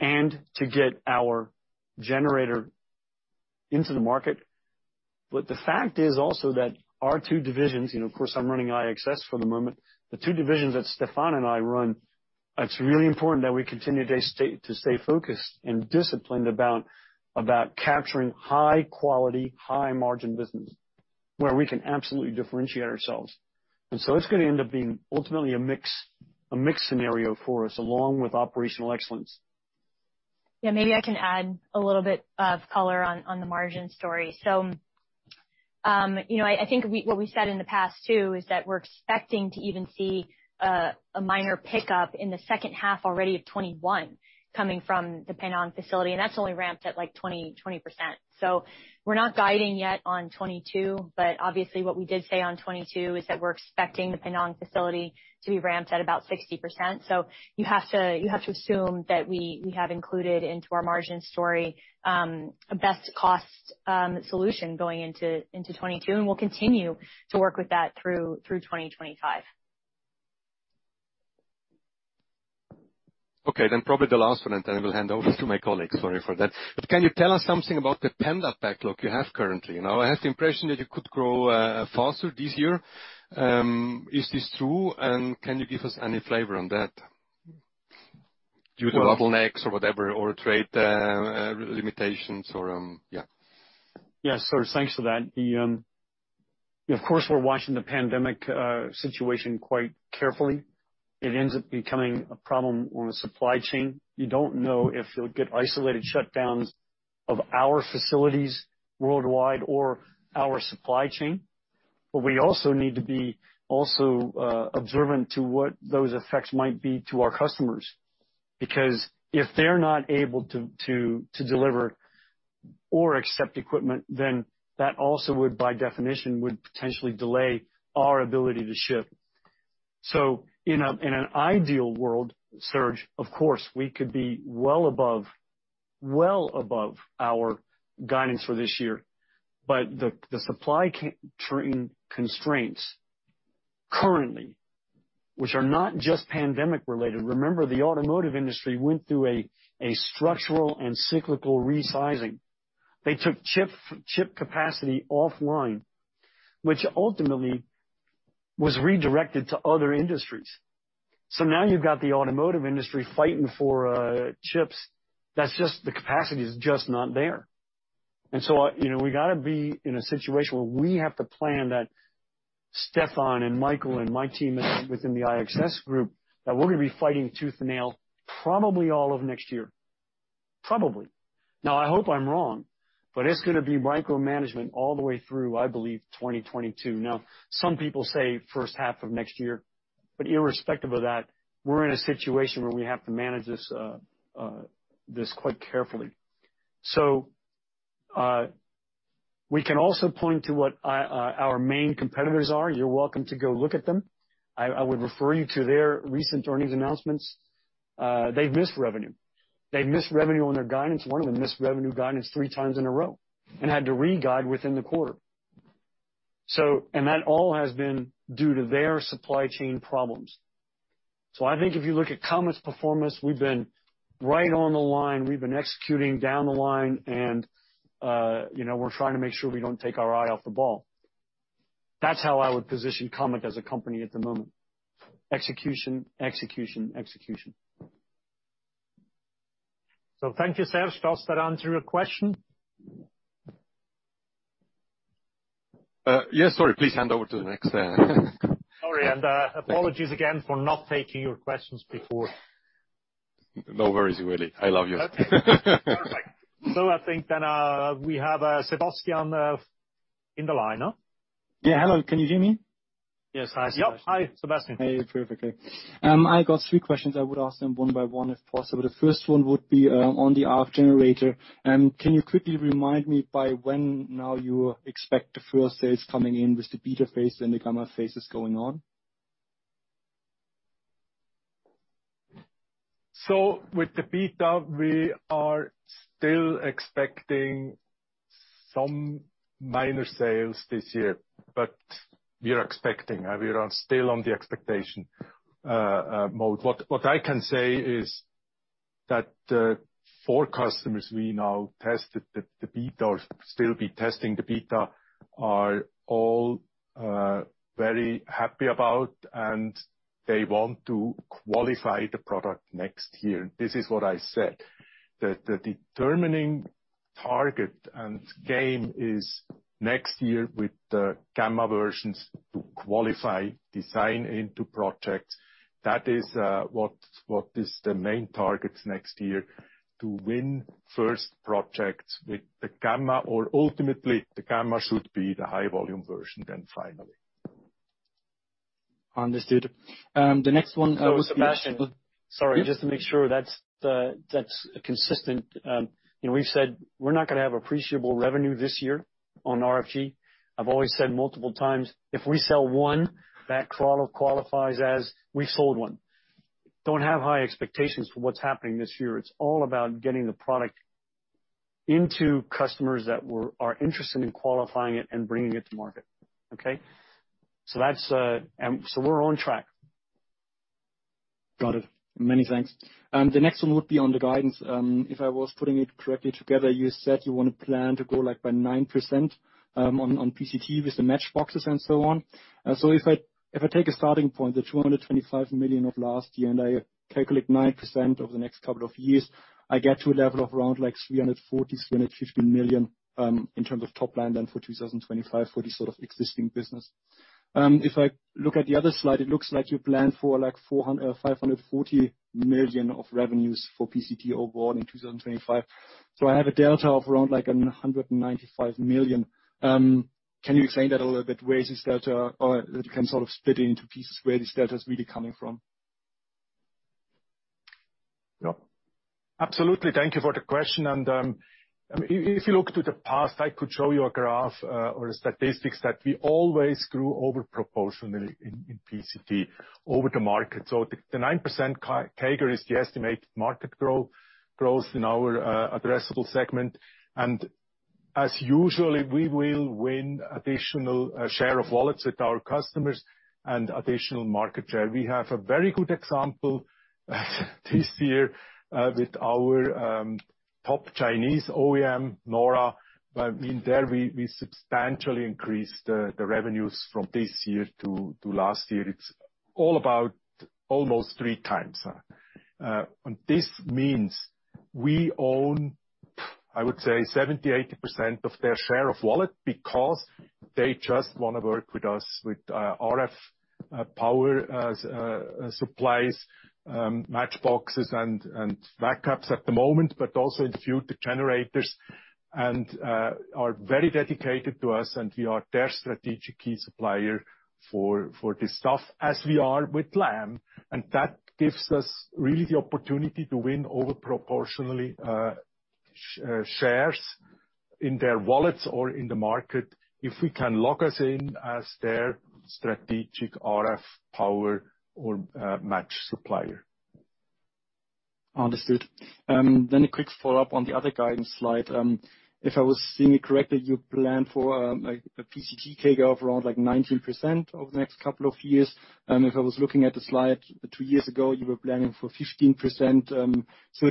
S2: and to get our generator into the market. The fact is also that our two divisions, you know, of course, I'm running IXS for the moment. The two divisions that Stephan and I run, it's really important that we continue to stay focused and disciplined about capturing high quality, high margin business where we can absolutely differentiate ourselves. It's gonna end up being ultimately a mix scenario for us along with operational excellence.
S7: Yeah. Maybe I can add a little bit of color on the margin story. You know, I think what we said in the past too is that we're expecting to even see a minor pickup in the second half already of 2021 coming from the Penang facility, and that's only ramped at, like, 20%. We're not guiding yet on 2022, but obviously what we did say on 2022 is that we're expecting the Penang facility to be ramped at about 60%. You have to assume that we have included into our margin story a best cost solution going into 2022, and we'll continue to work with that through 2025.
S10: Okay. Probably the last one, and then I will hand over to my colleagues. Sorry for that. Can you tell us something about the pent-up backlog you have currently? You know, I have the impression that you could grow faster this year. Is this true, and can you give us any flavor on that due to bottlenecks or whatever, or trade limitations or yeah?
S2: Yeah. Serge, thanks for that. Of course, we're watching the pandemic situation quite carefully. It ends up becoming a problem on the supply chain. You don't know if you'll get isolated shutdowns of our facilities worldwide or our supply chain. We also need to be observant to what those effects might be to our customers. Because if they're not able to deliver or accept equipment, then that also would, by definition, potentially delay our ability to ship. In an ideal world, Serge, of course, we could be well above our guidance for this year. The supply chain constraints currently, which are not just pandemic related. Remember, the automotive industry went through a structural and cyclical resizing. They took chip capacity offline, which ultimately was redirected to other industries. Now you've got the automotive industry fighting for chips. That's just the capacity is just not there. You know, we got to be in a situation where we have to plan that Stephan and Michael and my team within the IXS group, that we're going to be fighting tooth and nail probably all of next year. Probably. Now, I hope I'm wrong, but it's going to be micromanagement all the way through, I believe, 2022. Now, some people say first half of next year, but irrespective of that, we're in a situation where we have to manage this quite carefully. We can also point to what our main competitors are. You're welcome to go look at them. I would refer you to their recent earnings announcements. They've missed revenue. They missed revenue on their guidance. One of them missed revenue guidance three times in a row and had to re-guide within the quarter. That all has been due to their supply chain problems. I think if you look at Comet's performance, we've been right on the line. We've been executing down the line and, you know, we're trying to make sure we don't take our eye off the ball. That's how I would position Comet as a company at the moment. Execution, execution.
S4: Thank you, Serge. Does that answer your question?
S10: Yes. Sorry, please hand over to the next,
S1: Sorry, and apologies again for not taking your questions before.
S10: No worries, Willy. I love you.
S1: Okay. Perfect. I think we have Sebastian on the line, huh?
S11: Yeah, hello. Can you hear me?
S4: Yes. Hi, Sebastian.
S11: Yep. Hi.
S4: Sebastian.
S11: Hey. Perfectly. I got three questions. I would ask them one by one if possible. The first one would be, on the RF generator. Can you quickly remind me by when now you expect the first sales coming in with the beta phase when the gamma phase is going on?
S4: With the beta, we are still expecting some minor sales this year, but we are still on the expectation mode. What I can say is that the four customers we now tested the beta or still be testing the beta are all very happy about, and they want to qualify the product next year. This is what I said, that the determining target and game is next year with the gamma versions to qualify design into projects. That is what is the main targets next year, to win first projects with the gamma or ultimately the gamma should be the high volume version then finally.
S11: Understood. The next one was-
S2: Sebastian, sorry, just to make sure that's consistent. You know, we've said we're not going to have appreciable revenue this year on RFG. I've always said multiple times, if we sell one, that qualifies as we sold one. Don't have high expectations for what's happening this year. It's all about getting the product into customers that are interested in qualifying it and bringing it to market. Okay? We're on track.
S11: Got it. Many thanks. The next one would be on the guidance. If I was putting it correctly together, you said you want to plan to go, like, by 9%, on PCT with the matchboxes and so on. So, if I take a starting point, the 225 million of last year, and I calculate 9% over the next couple of years, I get to a level of around, like, 340 million-350 million, in terms of top line then for 2025 for this sort of existing business. If I look at the other slide, it looks like you planned for, like, 540 million of revenues for PCT overall in 2025. I have a delta of around, like, 195 million. Can you explain that a little bit, where is this delta? Or, like, you can sort of split it into pieces where this delta is really coming from.
S4: Yep. Absolutely. Thank you for the question. If you look to the past, I could show you a graph or statistics that we always grew over proportionally in PCT over the market. The 9% CAGR is the estimated market growth in our addressable segment. As usual, we will win additional share of wallets with our customers and additional market share. We have a very good example this year with our top Chinese OEM, NAURA. In there, we substantially increased the revenues from last year to this year. It's all about almost 3 times. This means we own, I would say 70% to 80% of their share of wallet because they just want to work with us with RF power supplies, matchboxes and VacCaps at the moment, but also in future generators and are very dedicated to us and we are their strategic key supplier for this stuff as we are with Lam. That gives us really the opportunity to win over proportionally shares in their wallets or in the market if we can lock us in as their strategic RF power or match supplier.
S11: Understood. Then a quick follow-up on the other guidance slide. If I was seeing it correctly, you plan for, like, a PCT CAGR of around, like, 19% over the next couple of years. If I was looking at the slide two years ago, you were planning for 15%.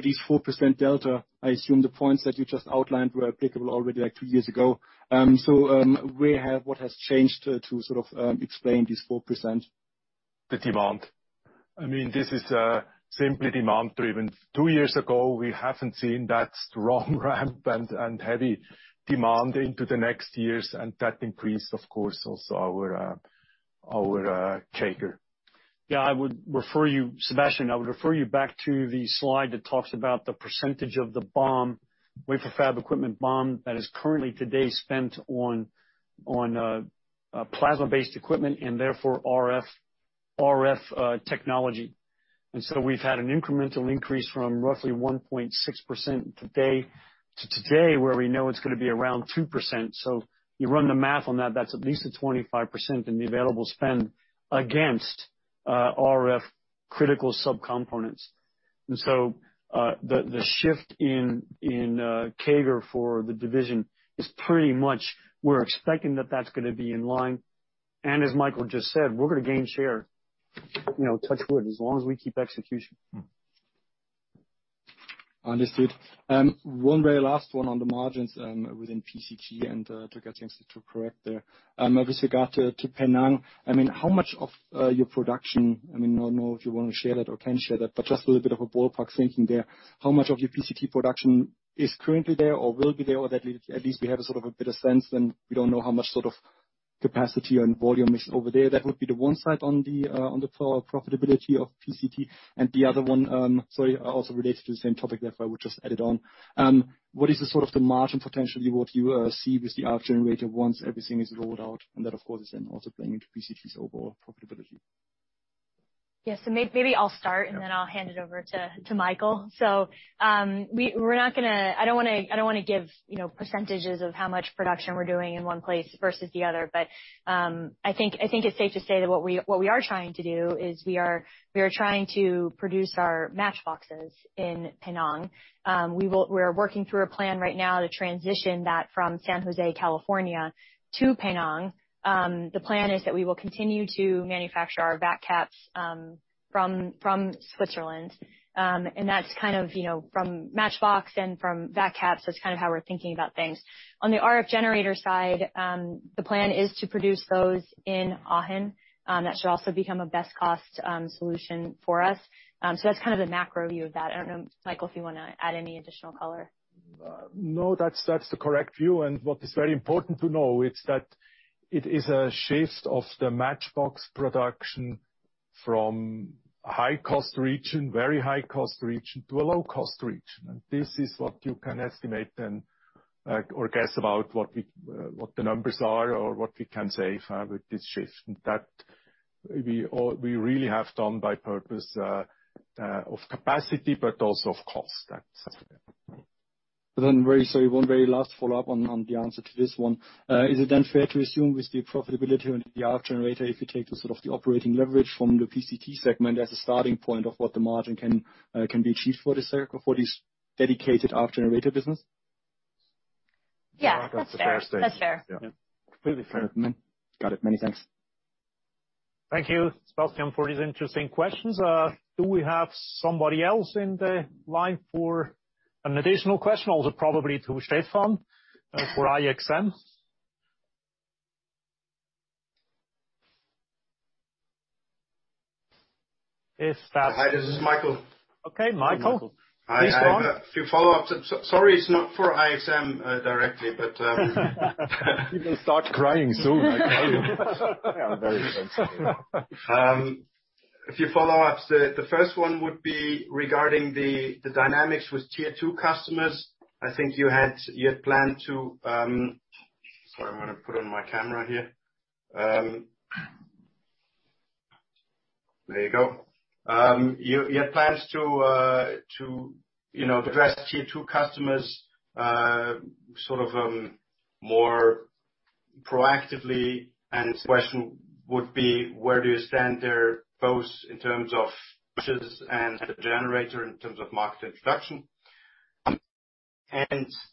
S11: This 4% delta, I assume the points that you just outlined were applicable already, like, two years ago. What has changed to sort of explain this 4%?
S4: The demand. I mean, this is simply demand-driven. Two years ago, we haven't seen that strong ramp and heavy demand into the next years, and that increased, of course, also our CAGR.
S2: Yeah, Sebastian, I would refer you back to the slide that talks about the percentage of the BOM, wafer fab equipment BOM, that is currently today spent on plasma-based equipment and therefore RF technology. We've had an incremental increase from roughly 1.6% to 2%. You run the math on that's at least a 25% in the available spend against RF critical subcomponents. The shift in CAGR for the division is pretty much what we're expecting, that's going to be in line. As Michael just said, we're going to gain share, you know, touch wood, as long as we keep execution.
S4: Mm-hmm.
S11: Understood. One very last one on the margins within PCT and to get a chance to correct there. With regard to Penang, I mean, how much of your production, I mean, I don't know if you want to share that or can share that, but just a little bit of a ballpark thinking there. How much of your PCT production is currently there or will be there or that at least we have a sort of a better sense than we don't know how much sort of capacity and volume is over there. That would be the one side on the profitability of PCT. The other one, sorry, also related to the same topic, therefore I would just add it on. What is the sort of margin potentially what you see with the RF generator once everything is rolled out? That, of course, is then also playing into PCT's overall profitability.
S7: Yes. Maybe I'll start, and then I'll hand it over to Michael. We're not going to. I don't want to give, you know, percentages of how much production we're doing in one place versus the other. I think it's safe to say that what we are trying to do is we are trying to produce our matchboxes in Penang. We are working through a plan right now to transition that from San Jose, California, to Penang. The plan is that we will continue to manufacture our vaccaps from Switzerland. That's kind of, you know, from matchboxes and from vac caps, that's kind of how we're thinking about things. On the RF generator side, the plan is to produce those in Aachen. That should also become a best cost solution for us. That's kind of the macro view of that. I don't know, Michael, if you want to add any additional color.
S4: No, that's the correct view. What is very important to know is that it is a shift of the matchbox production from high-cost region, very high-cost region, to a low-cost region. This is what you can estimate then or guess about what the numbers are or what we can save with this shift. That we really have done on purpose for capacity, but also of cost. That's it.
S11: Very sorry, one very last follow-up on the answer to this one. Is it then fair to assume with the profitability on the RF generator, if you take the sort of the operating leverage from the PCT segment as a starting point of what the margin can be achieved for this dedicated RF generator business?
S7: Yeah, that's fair.
S4: That's a fair statement.
S7: That's fair.
S4: Yeah.
S11: Completely fair. Got it. Many thanks.
S1: Thank you, Sebastian, for these interesting questions. Do we have somebody else in the line for an additional question? Also probably to Stefan for IXM. If that's-
S9: Hi, this is Michael.
S1: Okay, Michael.
S4: Michael.
S1: Please go on.
S9: I have a few follow-ups. Sorry, it's not for IXM, directly, but-
S4: He will start crying soon, I tell you. Yeah, very sensitive.
S9: A few follow-ups. The first one would be regarding the dynamics with tier two customers. I think you had plans to, you know, address tier two customers sort of more proactively. The question would be, where do you stand there, both in terms of progress and the generator in terms of market introduction?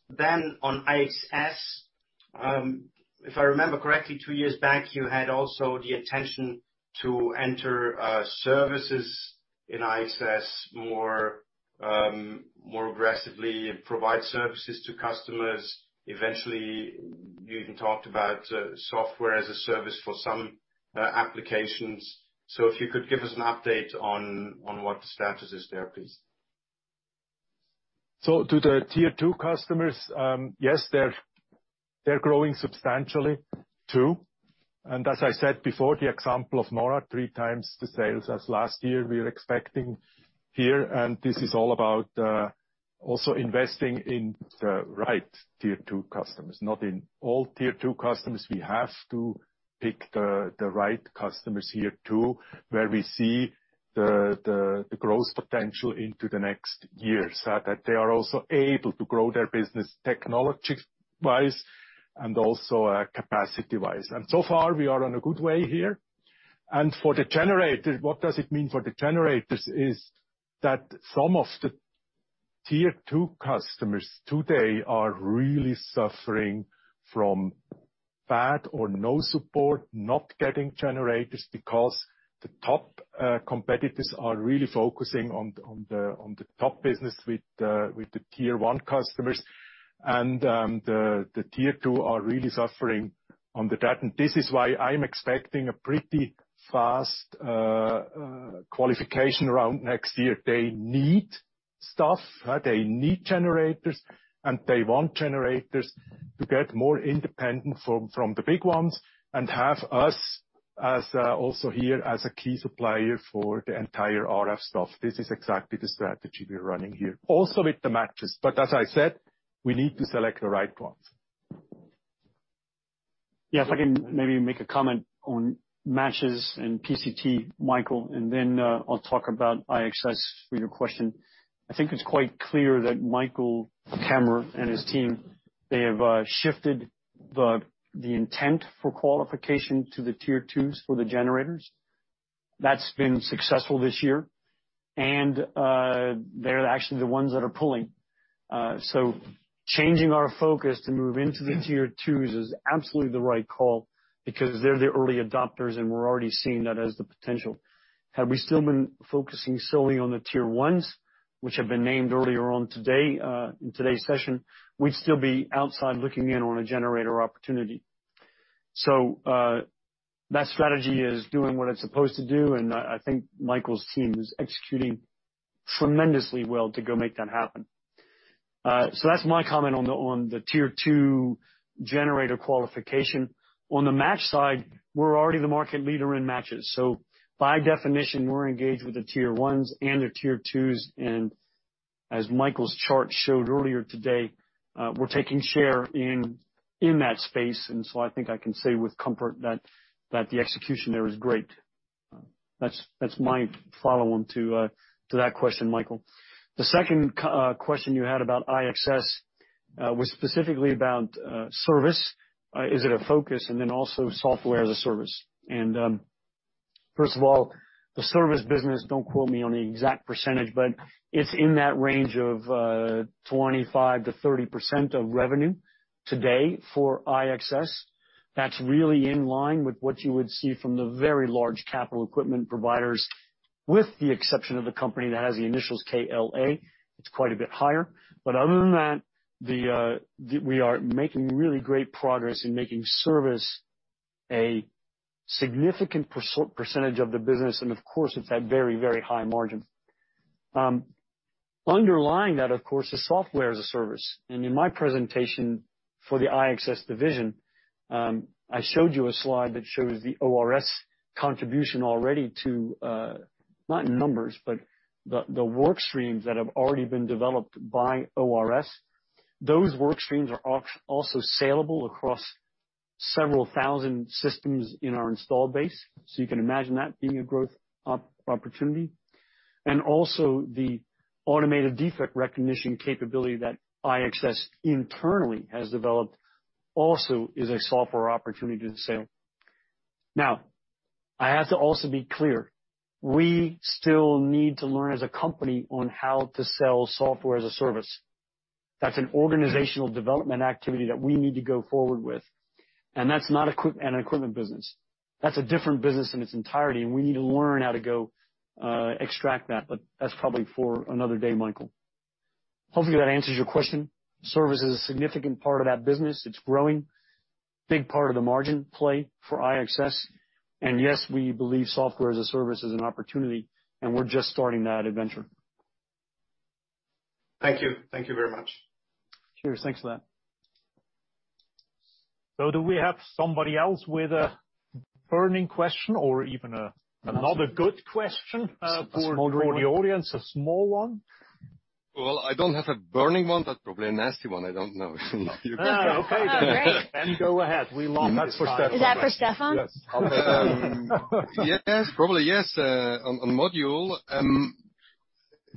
S9: Then on IXS, if I remember correctly, two years back, you had also the intention to enter services in IXS more aggressively and provide services to customers. Eventually, you even talked about software as a service for some applications. If you could give us an update on what the status is there, please.
S4: To the tier two customers, yes, they're growing substantially, too. As I said before, the example of Mora, 3 times the sales as last year we are expecting here. This is all about also investing in the right tier two customers, not in all tier two customers. We have to pick the right customers here, too, where we see the growth potential into the next years that they are also able to grow their business technology-wise and also capacity-wise. So far we are on a good way here. For the generator, what does it mean for the generators is that some of the tier two customers today are really suffering from bad or no support, not getting generators because the top competitors are really focusing on the top business with the tier one customers. The tier two are really suffering- On the debt. This is why I'm expecting a pretty fast qualification around next year. They need stuff, they need generators, and they want generators to get more independent from the big ones and have us as also here as a key supplier for the entire RF stuff. This is exactly the strategy we're running here. Also with the matches. As I said, we need to select the right ones.
S2: Yes. I can maybe make a comment on matches and PCT, Michael kammerer, and then I'll talk about IXS for your question. I think it's quite clear that Michael kammerer and his team, they have shifted the intent for qualification to the tier twos for the generators. That's been successful this year, and they're actually the ones that are pulling. Changing our focus to move into the tier twos is absolutely the right call because they're the early adopters, and we're already seeing that as the potential. Had we still been focusing solely on the tier ones, which have been named earlier on today in today's session, we'd still be outside looking in on a generator opportunity. That strategy is doing what it's supposed to do, and I think Michael kammerer's team is executing tremendously well to go make that happen. That's my comment on the tier two generator qualification. On the match side, we're already the market leader in matches. By definition, we're engaged with the tier ones and the tier twos. As Michael's chart showed earlier today, we're taking share in that space. I think I can say with comfort that the execution there is great. That's my follow-on to that question, Michael. The second question you had about IXS was specifically about service. Is it a focus? And then also software as a service. First of all, the service business, don't quote me on the exact percentage, but it's in that range of 25% to 30% of revenue today for IXS. That's really in line with what you would see from the very large capital equipment providers, with the exception of the company that has the initials KLA. It's quite a bit higher. Other than that, we are making really great progress in making service a significant percentage of the business. Of course, it's at very, very high margin. Underlying that, of course, is software as a service. In my presentation for the IXS division, I showed you a slide that shows the ORS contribution already to, not in numbers, but the work streams that have already been developed by ORS. Those work streams are also salable across several thousand systems in our installed base. You can imagine that being a growth opportunity. The automated defect recognition capability that IXS internally has developed also is a software opportunity to sell. Now, I have to also be clear, we still need to learn as a company on how to sell software as a service. That's an organizational development activity that we need to go forward with, and that's not an equipment business. That's a different business in its entirety, and we need to learn how to go, extract that. That's probably for another day, Michael. Hopefully that answers your question. Service is a significant part of that business. It's growing. Big part of the margin play for IXS. Yes, we believe software as a service is an opportunity, and we're just starting that adventure.
S9: Thank you. Thank you very much.
S2: Cheers. Thanks for that.
S1: Do we have somebody else with a burning question or even a another good question for the audience? A small one.
S10: Well, I don't have a burning one. That's probably a nasty one. I don't know.
S1: Okay, then. Go ahead. We love this time.
S2: Is that for Stephan?
S1: Yes.
S10: Yes. Probably yes. On module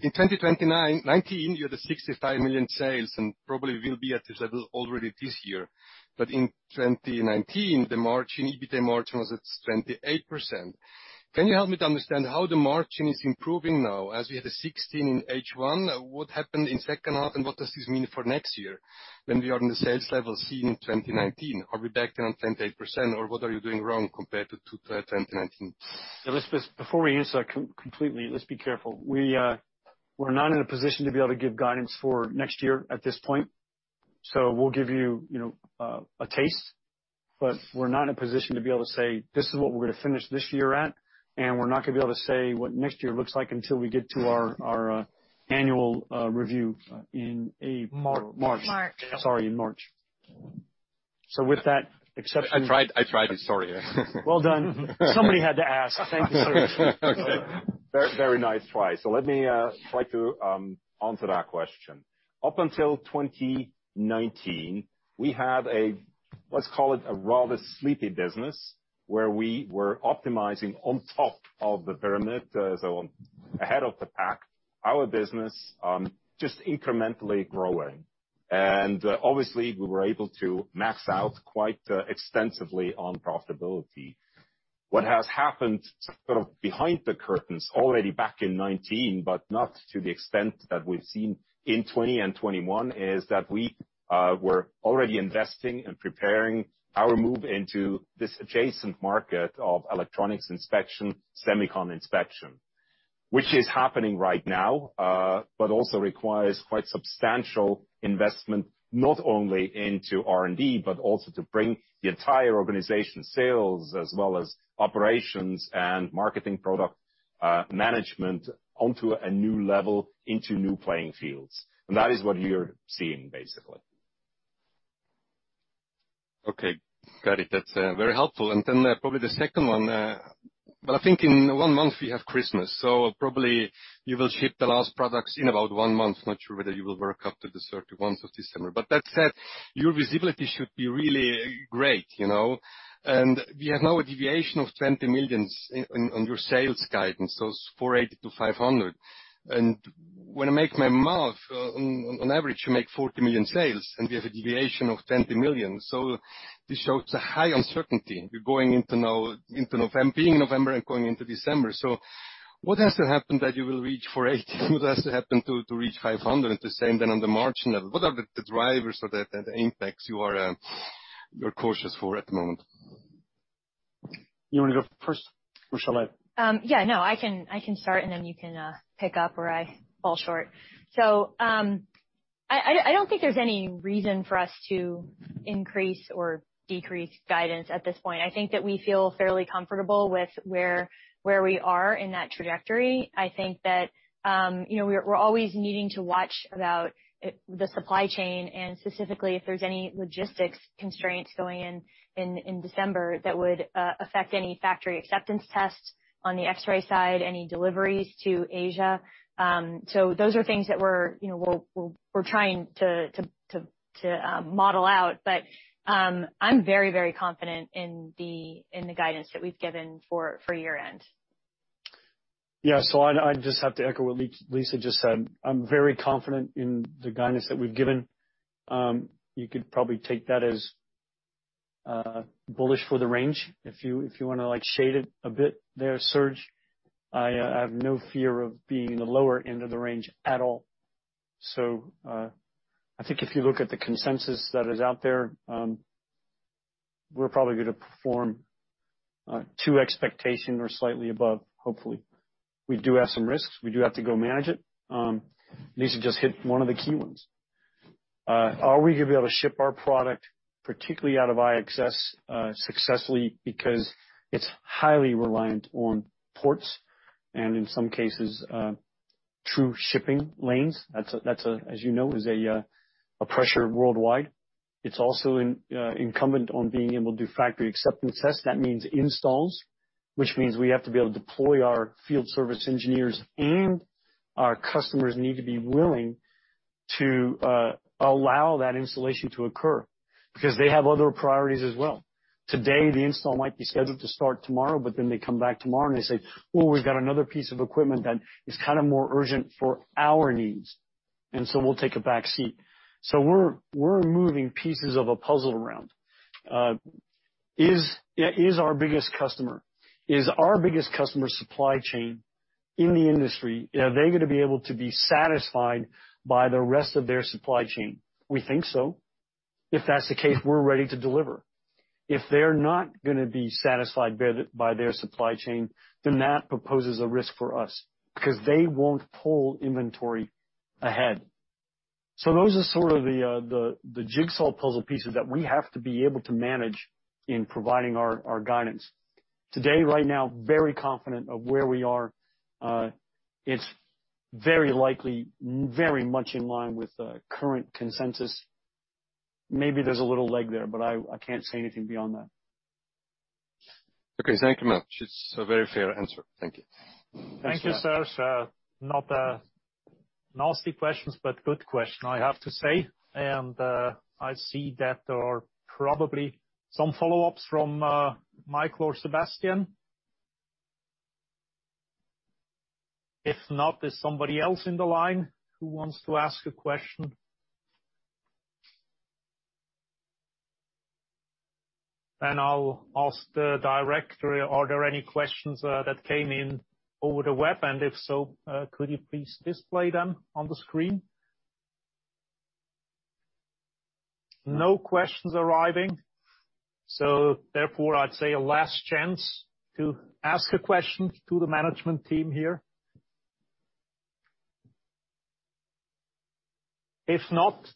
S10: in 2019, you had 65 million sales and probably will be at this level already this year. In 2019, the EBITDA margin was at 28%. Can you help me to understand how the margin is improving now as we had a 16% in H1? What happened in second half, and what does this mean for next year when we are on the sales level seen in 2019? Are we back down on 28% or what are you doing wrong compared to 2019?
S2: Before we answer completely, let's be careful. We're not in a position to be able to give guidance for next year at this point. We'll give you know, a taste, but we're not in a position to be able to say, "This is what we're going to finish this year at," and we're not going to be able to say what next year looks like until we get to our annual review in April.
S1: March.
S2: Sorry, in March. With that exception.
S10: I tried. Sorry.
S2: Well done. Somebody had to ask. Thank you, sir.
S6: Very, very nice try. Let me try to answer that question. Up until 2019, we had a, let's call it a rather sleepy business, where we were optimizing on top of the pyramid, so ahead of the pack, our business just incrementally growing. Obviously, we were able to max out quite extensively on profitability. What has happened sort of behind the curtains already back in 2019, but not to the extent that we've seen in 2020 and 2021, is that we were already investing and preparing our move into this adjacent market of electronics inspection, semicon inspection.
S2: Which is happening right now, but also requires quite substantial investment, not only into R&D, but also to bring the entire organization, sales as well as operations and marketing product management onto a new level into new playing fields. That is what you're seeing, basically.
S10: Okay. Got it. That's very helpful. Then, probably the second one. Well, I think in one month we have Christmas, so probably you will ship the last products in about one month. Not sure whether you will work up to the 31 of December. That said, your visibility should be really great, you know? We have now a deviation of 20 million in on your sales guidance, those 480 million-500 million. When I make my math on average, you make 40 million sales and we have a deviation of 20 million. This shows a high uncertainty. We're going into November, being November and going into December. What has to happen that you will reach 480? What has to happen to reach 500? The same then on the margin level. What are the drivers of that that impacts your cautiousness at the moment?
S2: You want to go first or shall I?
S7: Yeah, no, I can start and then you can pick up where I fall short. I don't think there's any reason for us to increase or decrease guidance at this point. I think that we feel fairly comfortable with where we are in that trajectory. I think that, you know, we're always needing to watch about the supply chain, and specifically if there's any logistics constraints going in December that would affect any factory acceptance tests on the X-ray side, any deliveries to Asia. Those are things that we're, you know, trying to model out. I'm very confident in the guidance that we've given for year-end.
S2: Yeah, I just have to echo what Lisa just said. I'm very confident in the guidance that we've given. You could probably take that as bullish for the range if you want to like shade it a bit there, Serge. I have no fear of being in the lower end of the range at all. I think if you look at the consensus that is out there, we're probably going to perform to expectation or slightly above, hopefully. We do have some risks. We do have to go manage it. Lisa just hit one of the key ones. Are we going to be able to ship our product, particularly out of IXS, successfully because it's highly reliant on ports and in some cases, through shipping lanes. That's a pressure worldwide, as you know. It's also incumbent on being able to do factory acceptance tests. That means installs, which means we have to be able to deploy our field service engineers and our customers need to be willing to allow that installation to occur because they have other priorities as well. Today, the install might be scheduled to start tomorrow, but then they come back tomorrow and they say, "Oh, we've got another piece of equipment that is kind of more urgent for our needs, and so we'll take a back seat." We're moving pieces of a puzzle around. Is our biggest customer supply chain in the industry gonna be able to be satisfied by the rest of their supply chain? We think so. If that's the case, we're ready to deliver. If they're not going to be satisfied by their supply chain, then that proposes a risk for us because they won't pull inventory ahead. Those are sort of the jigsaw puzzle pieces that we have to be able to manage in providing our guidance. Today, right now, very confident of where we are. It's very likely very much in line with the current consensus. Maybe there's a little leg there, but I can't say anything beyond that.
S10: Okay, thank you much. It's a very fair answer. Thank you.
S2: Thanks.
S1: Thank you, Serge. Not nasty questions, but good question, I have to say. I see that there are probably some follow-ups from Michael or Sebastian. If not, there's somebody else in the line who wants to ask a question. I'll ask the directory, are there any questions that came in over the web? If so, could you please display them on the screen? No questions arriving, so therefore I'd say a last chance to ask a question to the management team here. If not,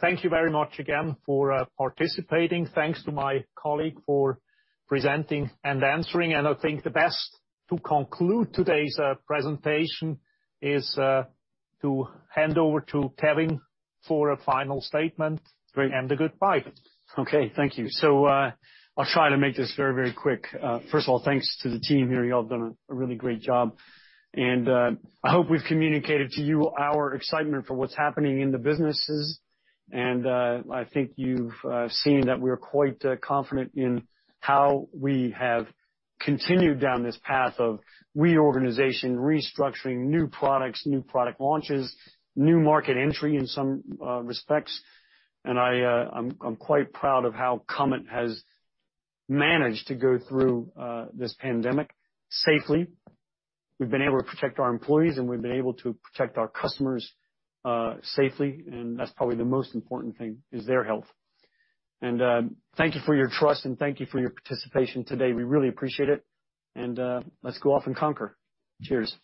S1: thank you very much again for participating. Thanks to my colleague for presenting and answering. I think the best to conclude today's presentation is to hand over to Kevin for a final statement.
S2: Great.
S1: A goodbye.
S2: Okay, thank you. I'll try to make this very, very quick. First of all, thanks to the team here. Y'all done a really great job. I hope we've communicated to you our excitement for what's happening in the businesses. I think you've seen that we're quite confident in how we have continued down this path of reorganization, restructuring, new products, new product launches, new market entry in some respects. I'm quite proud of how Comet has managed to go through this pandemic safely. We've been able to protect our employees, and we've been able to protect our customers safely, and that's probably the most important thing, is their health. Thank you for your trust and thank you for your participation today. We really appreciate it. Let's go off and conquer. Cheers.